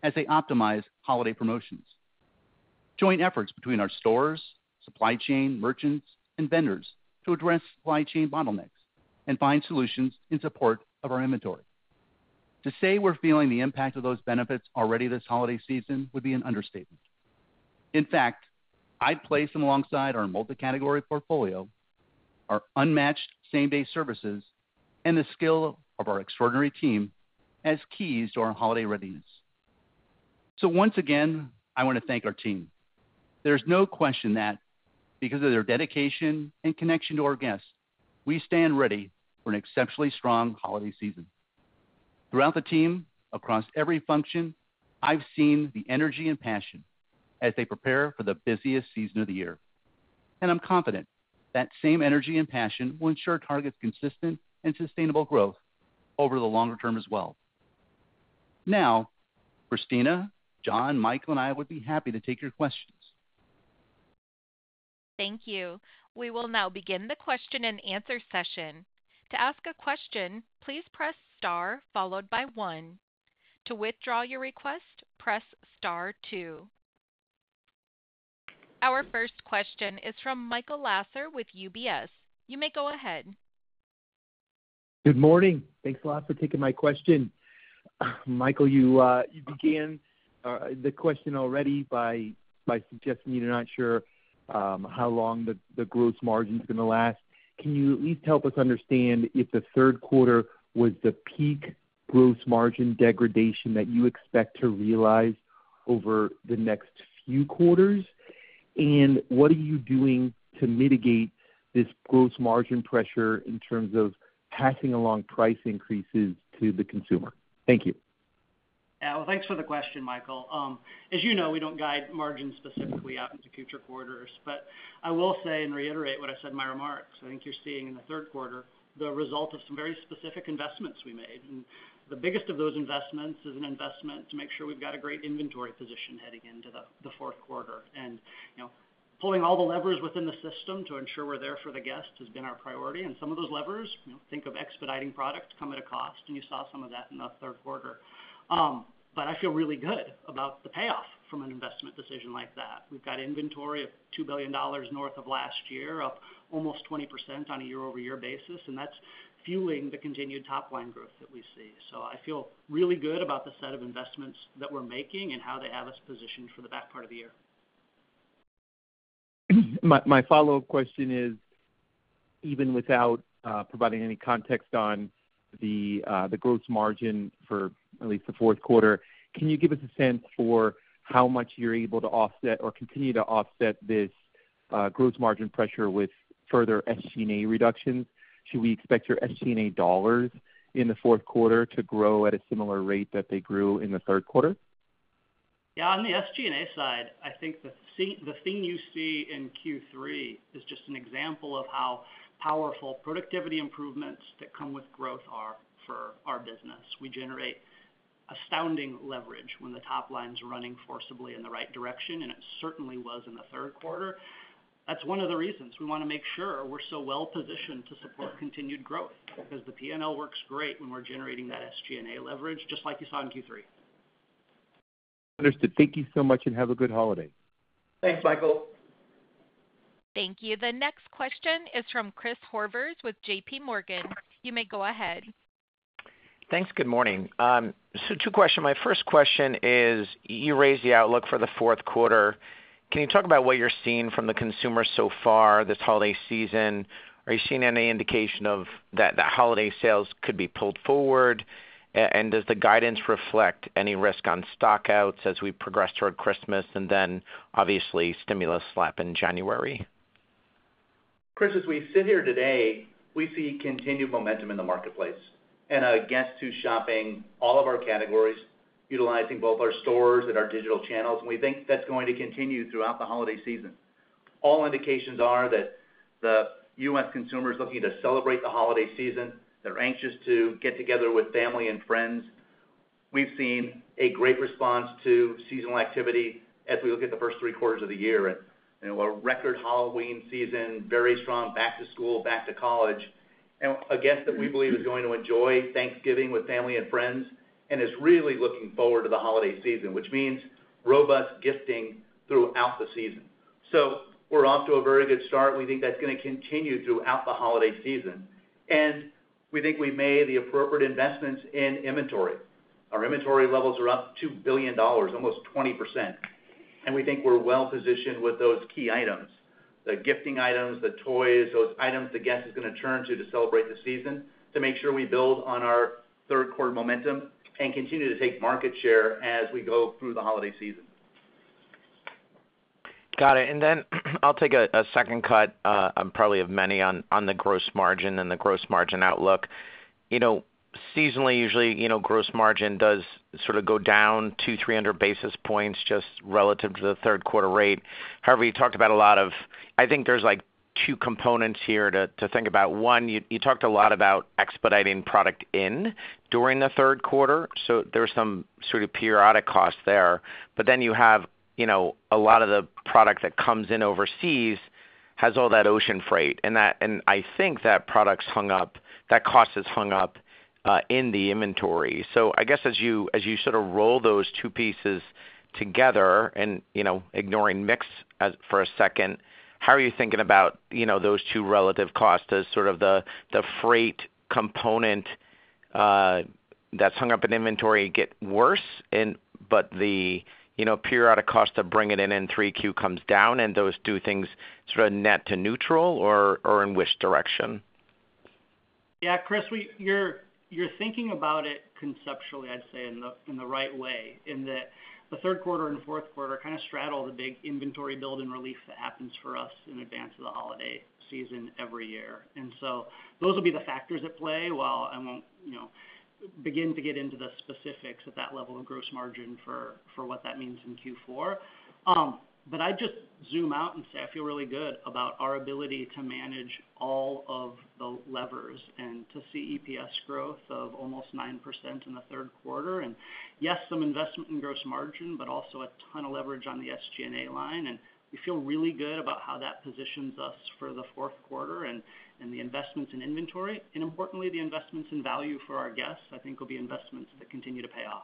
Speaker 3: as they optimize holiday promotions, joint efforts between our stores, supply chain, merchants and vendors to address supply chain bottlenecks and find solutions in support of our inventory. To say we're feeling the impact of those benefits already this holiday season would be an understatement. In fact, I'd place them alongside our multi-category portfolio, our unmatched same-day services, and the skill of our extraordinary team as keys to our holiday readiness. Once again, I wanna thank our team. There's no question that because of their dedication and connection to our guests, we stand ready for an exceptionally strong holiday season. Throughout the team, across every function, I've seen the energy and passion as they prepare for the busiest season of the year. I'm confident that same energy and passion will ensure Target's consistent and sustainable growth over the longer term as well. Now, Christina, John, Michael, and I would be happy to take your questions.
Speaker 1: Thank you. We will now begin the question-and-answer session. Our first question is from Michael Lasser with UBS. You may go ahead.
Speaker 7: Good morning. Thanks a lot for taking my question. Michael, you began the question already by suggesting you're not sure how long the gross margin's gonna last. Can you at least help us understand if the third quarter was the peak gross margin degradation that you expect to realize over the next few quarters? What are you doing to mitigate this gross margin pressure in terms of passing along price increases to the consumer? Thank you.
Speaker 6: Yeah. Well, thanks for the question, Michael. As you know, we don't guide margins specifically out into future quarters. I will say and reiterate what I said in my remarks. I think you're seeing in the third quarter the result of some very specific investments we made. The biggest of those investments is an investment to make sure we've got a great inventory position heading into the fourth quarter. You know, pulling all the levers within the system to ensure we're there for the guests has been our priority. Some of those levers, you know, think of expediting products, come at a cost, and you saw some of that in the third quarter. I feel really good about the payoff from an investment decision like that. We've got inventory of $2 billion north of last year, up almost 20% on a year-over-year basis, and that's fueling the continued top line growth that we see. I feel really good about the set of investments that we're making and how they have us positioned for the back part of the year.
Speaker 7: My follow-up question is, even without providing any context on the gross margin for at least the fourth quarter, can you give us a sense for how much you're able to offset or continue to offset this gross margin pressure with further SG&A reductions? Should we expect your SG&A dollars in the fourth quarter to grow at a similar rate that they grew in the third quarter?
Speaker 6: Yeah. On the SG&A side, I think the thing you see in Q3 is just an example of how powerful productivity improvements that come with growth are for our business. We generate astounding leverage when the top line's running forcefully in the right direction, and it certainly was in the third quarter. That's one of the reasons we wanna make sure we're so well positioned to support continued growth because the P&L works great when we're generating that SG&A leverage, just like you saw in Q3.
Speaker 7: Understood. Thank you so much, and have a good holiday.
Speaker 6: Thanks, Michael.
Speaker 1: Thank you. The next question is from Chris Horvers with JPMorgan. You may go ahead.
Speaker 8: Thanks. Good morning. Two questions. My first question is, you raised the outlook for the fourth quarter. Can you talk about what you're seeing from the consumer so far this holiday season? Are you seeing any indication that holiday sales could be pulled forward? And does the guidance reflect any risk on stock outs as we progress toward Christmas and then obviously stimulus check in January?
Speaker 3: Chris, as we sit here today, we see continued momentum in the marketplace and guests who's shopping all of our categories, utilizing both our stores and our digital channels, and we think that's going to continue throughout the holiday season. All indications are that the U.S. consumer is looking to celebrate the holiday season. They're anxious to get together with family and friends. We've seen a great response to seasonal activity as we look at the first three quarters of the year and, you know, a record Halloween season, very strong back to school, back to college. A guest that we believe is going to enjoy Thanksgiving with family and friends and is really looking forward to the holiday season, which means robust gifting throughout the season. We're off to a very good start. We think that's gonna continue throughout the holiday season, and we think we made the appropriate investments in inventory. Our inventory levels are up $2 billion, almost 20%. We think we're well-positioned with those key items, the gifting items, the toys, those items the guest is gonna turn to celebrate the season to make sure we build on our third quarter momentum and continue to take market share as we go through the holiday season.
Speaker 8: Got it. I'll take a second cut, probably of many on the gross margin and the gross margin outlook. You know. Seasonally, usually, you know, gross margin does sort of go down 200 basis points-300 basis points just relative to the third quarter rate. However, you talked about a lot of. I think there's, like, two components here to think about. One, you talked a lot about expediting product in during the third quarter, so there was some sort of periodic cost there. But then you have, you know, a lot of the product that comes in overseas has all that ocean freight, and that and I think that product's hung up, that cost is hung up in the inventory. I guess as you sort of roll those two pieces together and, you know, ignoring mix for a second, how are you thinking about, you know, those two relative costs as sort of the freight component that's hung up in inventory get worse, but the, you know, periodic cost of bringing in 3Q comes down, and those two things sort of net to neutral, or in which direction?
Speaker 6: Yeah, Chris, you're thinking about it conceptually, I'd say, in the right way in that the third quarter and fourth quarter kind of straddle the big inventory build and relief that happens for us in advance of the holiday season every year. Those will be the factors at play. While I won't, you know, begin to get into the specifics at that level of gross margin for what that means in Q4, but I'd just zoom out and say I feel really good about our ability to manage all of the levers and to see EPS growth of almost 9% in the third quarter. Yes, some investment in gross margin, but also a ton of leverage on the SG&A line, and we feel really good about how that positions us for the fourth quarter and the investments in inventory. Importantly, the investments in value for our guests, I think, will be investments that continue to pay off.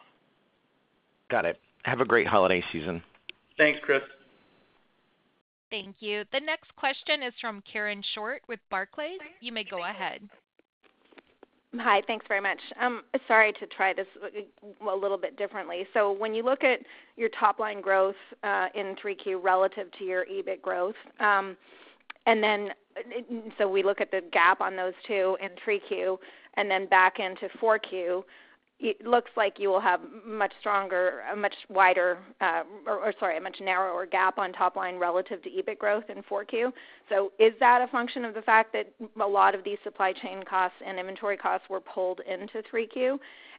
Speaker 8: Got it. Have a great holiday season.
Speaker 6: Thanks, Chris.
Speaker 1: Thank you. The next question is from Karen Short with Barclays. You may go ahead.
Speaker 9: Hi. Thanks very much. Sorry to try this a little bit differently. When you look at your top line growth in 3Q relative to your EBIT growth, and then we look at the gap on those two in 3Q and then back into 4Q, it looks like you will have a much narrower gap on top line relative to EBIT growth in 4Q. Is that a function of the fact that a lot of these supply chain costs and inventory costs were pulled into 3Q?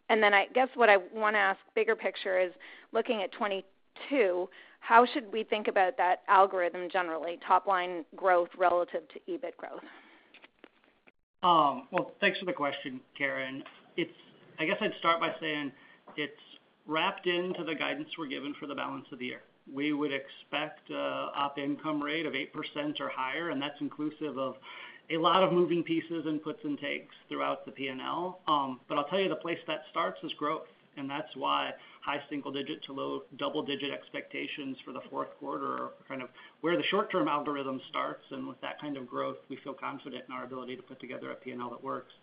Speaker 9: I guess what I wanna ask bigger picture is, looking at 2022, how should we think about that algorithm generally, top line growth relative to EBIT growth?
Speaker 6: Well, thanks for the question, Karen. It's. I guess I'd start by saying it's wrapped into the guidance we're given for the balance of the year. We would expect an operating income rate of 8% or higher, and that's inclusive of a lot of moving pieces and puts and takes throughout the P&L. I'll tell you the place that starts is growth, and that's why high single-digit to low double-digit expectations for the fourth quarter are kind of where the short-term algorithm starts. With that kind of growth, we feel confident in our ability to put together a P&L that works.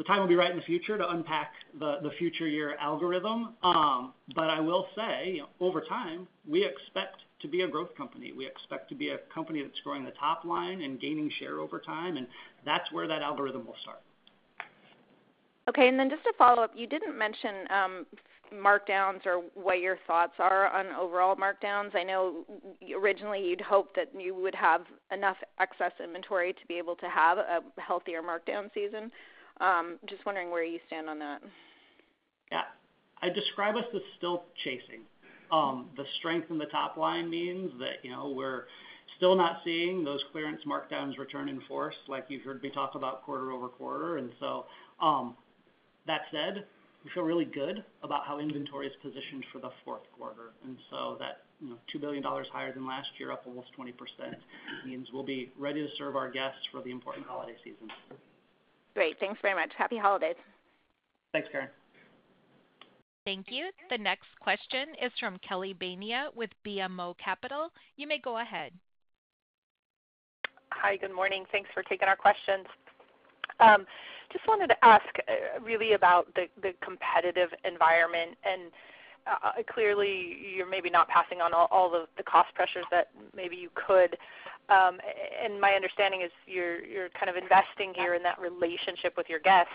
Speaker 6: The time will be right in the future to unpack the future year algorithm. I will say, over time, we expect to be a growth company. We expect to be a company that's growing the top line and gaining share over time, and that's where that algorithm will start.
Speaker 9: Okay. Just to follow up, you didn't mention markdowns or what your thoughts are on overall markdowns. I know originally you'd hoped that you would have enough excess inventory to be able to have a healthier markdown season. Just wondering where you stand on that.
Speaker 6: Yeah. I'd describe us as still chasing. The strength in the top line means that, you know, we're still not seeing those clearance markdowns return in force like you heard me talk about quarter-over-quarter. That said, we feel really good about how inventory is positioned for the fourth quarter. That, you know, $2 billion higher than last year, up almost 20%, means we'll be ready to serve our guests for the important holiday season.
Speaker 9: Great. Thanks very much. Happy holidays.
Speaker 6: Thanks, Karen.
Speaker 1: Thank you. The next question is from Kelly Bania with BMO Capital. You may go ahead.
Speaker 10: Hi. Good morning. Thanks for taking our questions. Just wanted to ask, really about the competitive environment. Clearly, you're maybe not passing on all the cost pressures that maybe you could. My understanding is you're kind of investing here in that relationship with your guests.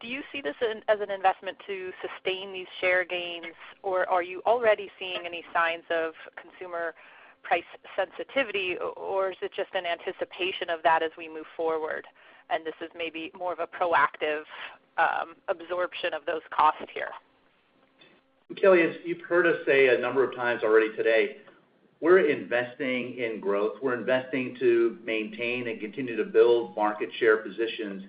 Speaker 10: Do you see this as an investment to sustain these share gains, or are you already seeing any signs of consumer price sensitivity, or is it just an anticipation of that as we move forward, and this is maybe more of a proactive absorption of those costs here?
Speaker 3: Kelly, as you've heard us say a number of times already today, we're investing in growth. We're investing to maintain and continue to build market share positions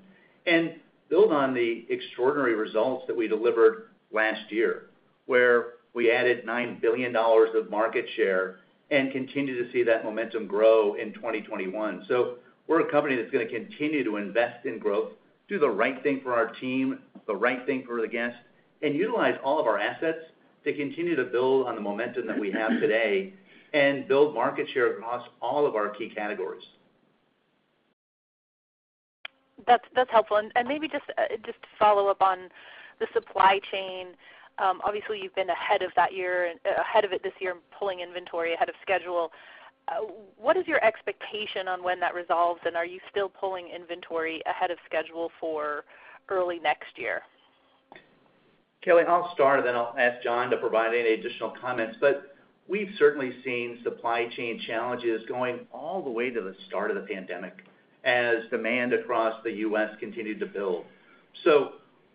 Speaker 3: and build on the extraordinary results that we delivered last year, where we added $9 billion of market share and continue to see that momentum grow in 2021. We're a company that's gonna continue to invest in growth, do the right thing for our team, the right thing for the guests, and utilize all of our assets to continue to build on the momentum that we have today and build market share across all of our key categories.
Speaker 10: That's helpful. Maybe just to follow up on the supply chain. Obviously, you've been ahead of it this year, pulling inventory ahead of schedule. What is your expectation on when that resolves, and are you still pulling inventory ahead of schedule for early next year?
Speaker 3: Kelly, I'll start, and then I'll ask John to provide any additional comments. We've certainly seen supply chain challenges going all the way to the start of the pandemic as demand across the U.S. continued to build.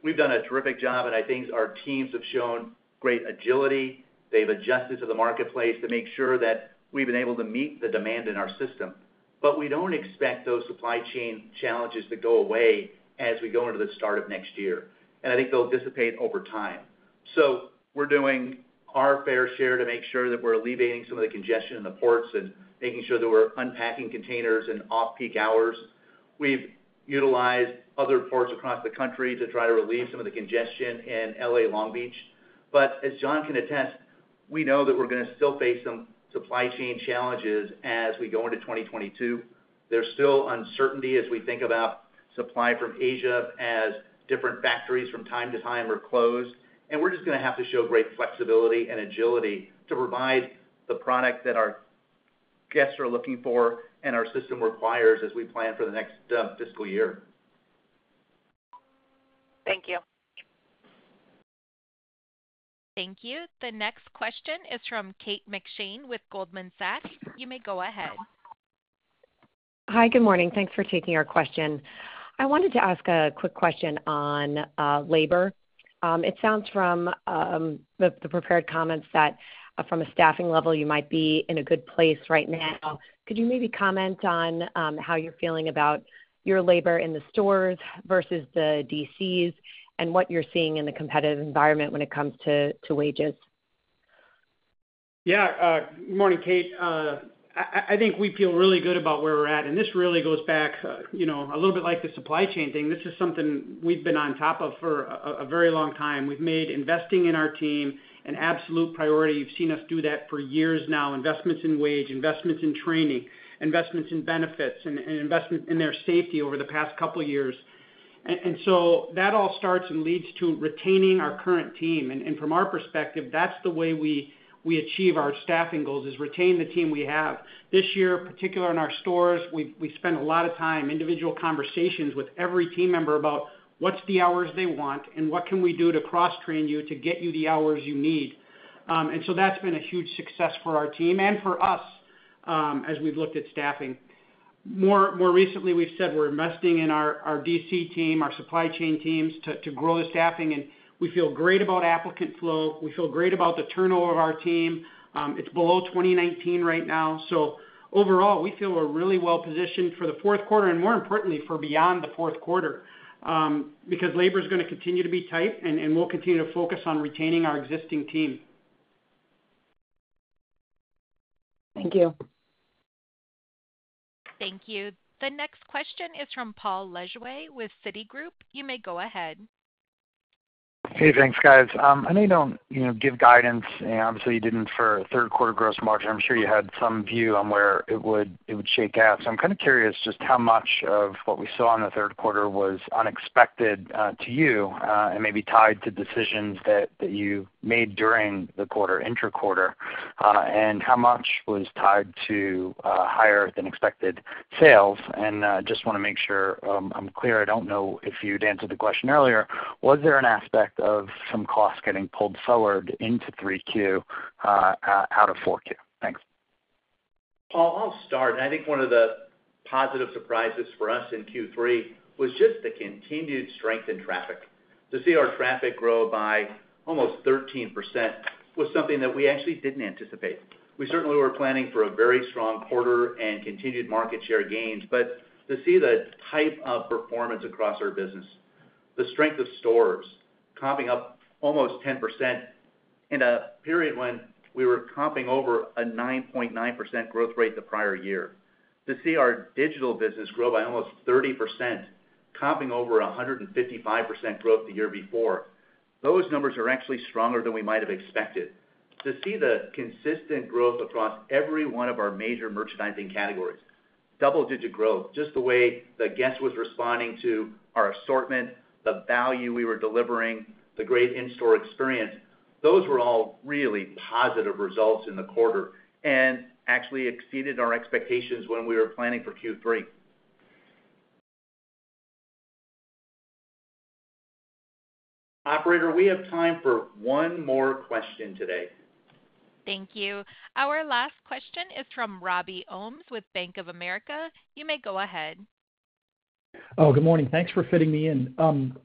Speaker 3: We've done a terrific job, and I think our teams have shown great agility. They've adjusted to the marketplace to make sure that we've been able to meet the demand in our system. We don't expect those supply chain challenges to go away as we go into the start of next year. I think they'll dissipate over time. We're doing our fair share to make sure that we're alleviating some of the congestion in the ports and making sure that we're unpacking containers in off-peak hours. We've utilized other ports across the country to try to relieve some of the congestion in L.A., Long Beach. As John can attest, we know that we're gonna still face some supply chain challenges as we go into 2022. There's still uncertainty as we think about supply from Asia as different factories from time to time are closed, and we're just gonna have to show great flexibility and agility to provide the product that our guests are looking for and our system requires as we plan for the next fiscal year.
Speaker 10: Thank you.
Speaker 1: Thank you. The next question is from Kate McShane with Goldman Sachs. You may go ahead.
Speaker 11: Hi. Good morning. Thanks for taking our question. I wanted to ask a quick question on labor. It sounds from the prepared comments that from a staffing level, you might be in a good place right now. Could you maybe comment on how you're feeling about your labor in the stores versus the DCs and what you're seeing in the competitive environment when it comes to wages?
Speaker 5: Yeah. Good morning, Kate. I think we feel really good about where we're at, and this really goes back, you know, a little bit like the supply chain thing. This is something we've been on top of for a very long time. We've made investing in our team an absolute priority. You've seen us do that for years now, investments in wages, investments in training, investments in benefits, and investment in their safety over the past couple years. That all starts and leads to retaining our current team. From our perspective, that's the way we achieve our staffing goals, is retain the team we have. This year, particularly in our stores, we spent a lot of time, individual conversations with every team member about what's the hours they want and what can we do to cross-train you to get you the hours you need. That's been a huge success for our team and for us, as we've looked at staffing. More recently, we've said we're investing in our DC team, our supply chain teams to grow the staffing, and we feel great about applicant flow. We feel great about the turnover of our team. It's below 2019 right now. Overall, we feel we're really well positioned for the fourth quarter and more importantly, for beyond the fourth quarter, because labor's gonna continue to be tight, and we'll continue to focus on retaining our existing team.
Speaker 11: Thank you.
Speaker 1: Thank you. The next question is from Paul Lejuez with Citigroup. You may go ahead.
Speaker 12: Hey, thanks, guys. I know you don't give guidance, and obviously you didn't for third quarter gross margin. I'm sure you had some view on where it would shake out. I'm kinda curious just how much of what we saw in the third quarter was unexpected to you, and maybe tied to decisions that you made during the quarter, intra-quarter, and how much was tied to higher than expected sales. Just wanna make sure I'm clear. I don't know if you'd answered the question earlier. Was there an aspect of some costs getting pulled forward into Q3 out of Q4? Thanks.
Speaker 3: Paul, I'll start. I think one of the positive surprises for us in Q3 was just the continued strength in traffic. To see our traffic grow by almost 13% was something that we actually didn't anticipate. We certainly were planning for a very strong quarter and continued market share gains. To see the type of performance across our business, the strength of stores comping up almost 10% in a period when we were comping over a 9.9% growth rate the prior year. To see our digital business grow by almost 30%, comping over a 155% growth the year before, those numbers are actually stronger than we might have expected. To see the consistent growth across every one of our major merchandising categories, double-digit growth, just the way the guest was responding to our assortment, the value we were delivering, the great in-store experience, those were all really positive results in the quarter and actually exceeded our expectations when we were planning for Q3. Operator, we have time for one more question today.
Speaker 1: Thank you. Our last question is from Robert Ohmes with Bank of America. You may go ahead.
Speaker 13: Oh, good morning. Thanks for fitting me in.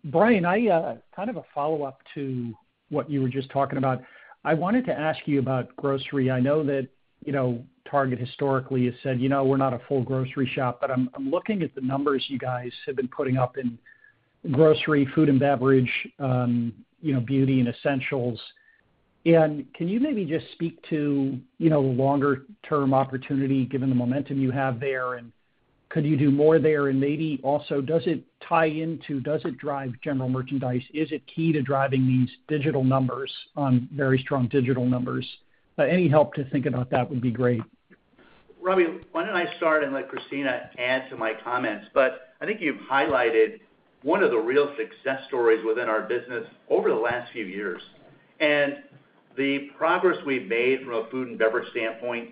Speaker 13: Brian, kind of a follow-up to what you were just talking about. I wanted to ask you about grocery. I know that, you know, Target historically has said, "You know, we're not a full grocery shop," but I'm looking at the numbers you guys have been putting up in grocery, food and beverage, you know, beauty and essentials. Can you maybe just speak to, you know, longer term opportunity given the momentum you have there, and could you do more there? Maybe also, does it tie into, does it drive general merchandise? Is it key to driving these digital numbers on very strong digital numbers? Any help to think about that would be great.
Speaker 3: Robbie, why don't I start and let Christina add to my comments? I think you've highlighted one of the real success stories within our business over the last few years. The progress we've made from a food and beverage standpoint,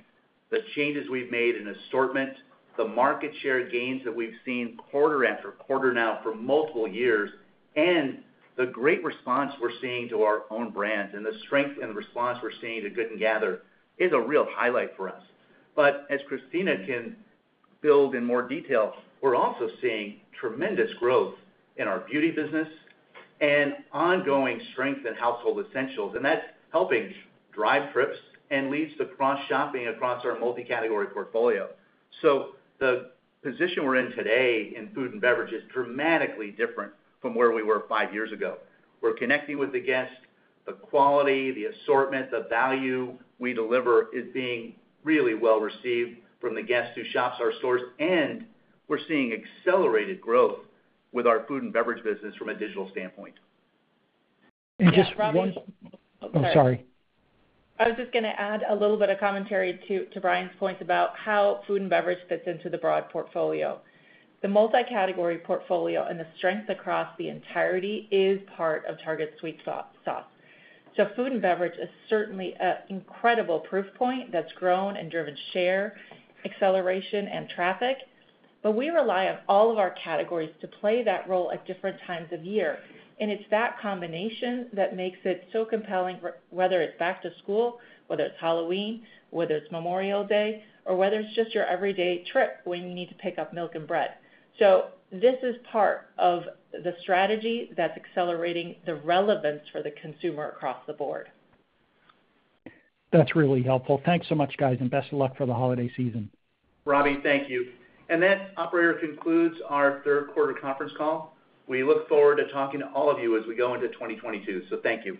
Speaker 3: the changes we've made in assortment, the market share gains that we've seen quarter-after-quarter now for multiple years, and the great response we're seeing to our own brands and the strength and response we're seeing to Good & Gather is a real highlight for us. As Christina can build in more detail, we're also seeing tremendous growth in our beauty business and ongoing strength in household essentials, and that's helping drive trips and leads to cross shopping across our multi-category portfolio. The position we're in today in food and beverage is dramatically different from where we were five years ago. We're connecting with the guest. The quality, the assortment, the value we deliver is being really well received from the guests who shop our stores, and we're seeing accelerated growth with our food and beverage business from a digital standpoint.
Speaker 13: Just one-
Speaker 4: Yeah, Robbie.
Speaker 13: Oh, sorry.
Speaker 4: I was just gonna add a little bit of commentary to Brian's point about how food and beverage fits into the broad portfolio. The multi-category portfolio and the strength across the entirety is part of Target's secret sauce. Food and beverage is certainly an incredible proof point that's grown and driven share, acceleration, and traffic. We rely on all of our categories to play that role at different times of year. It's that combination that makes it so compelling, whether it's back to school, whether it's Halloween, whether it's Memorial Day, or whether it's just your everyday trip when you need to pick up milk and bread. This is part of the strategy that's accelerating the relevance for the consumer across the board.
Speaker 13: That's really helpful. Thanks so much, guys, and best of luck for the holiday season.
Speaker 3: Robbie, thank you. That, operator, concludes our third quarter conference call. We look forward to talking to all of you as we go into 2022. Thank you.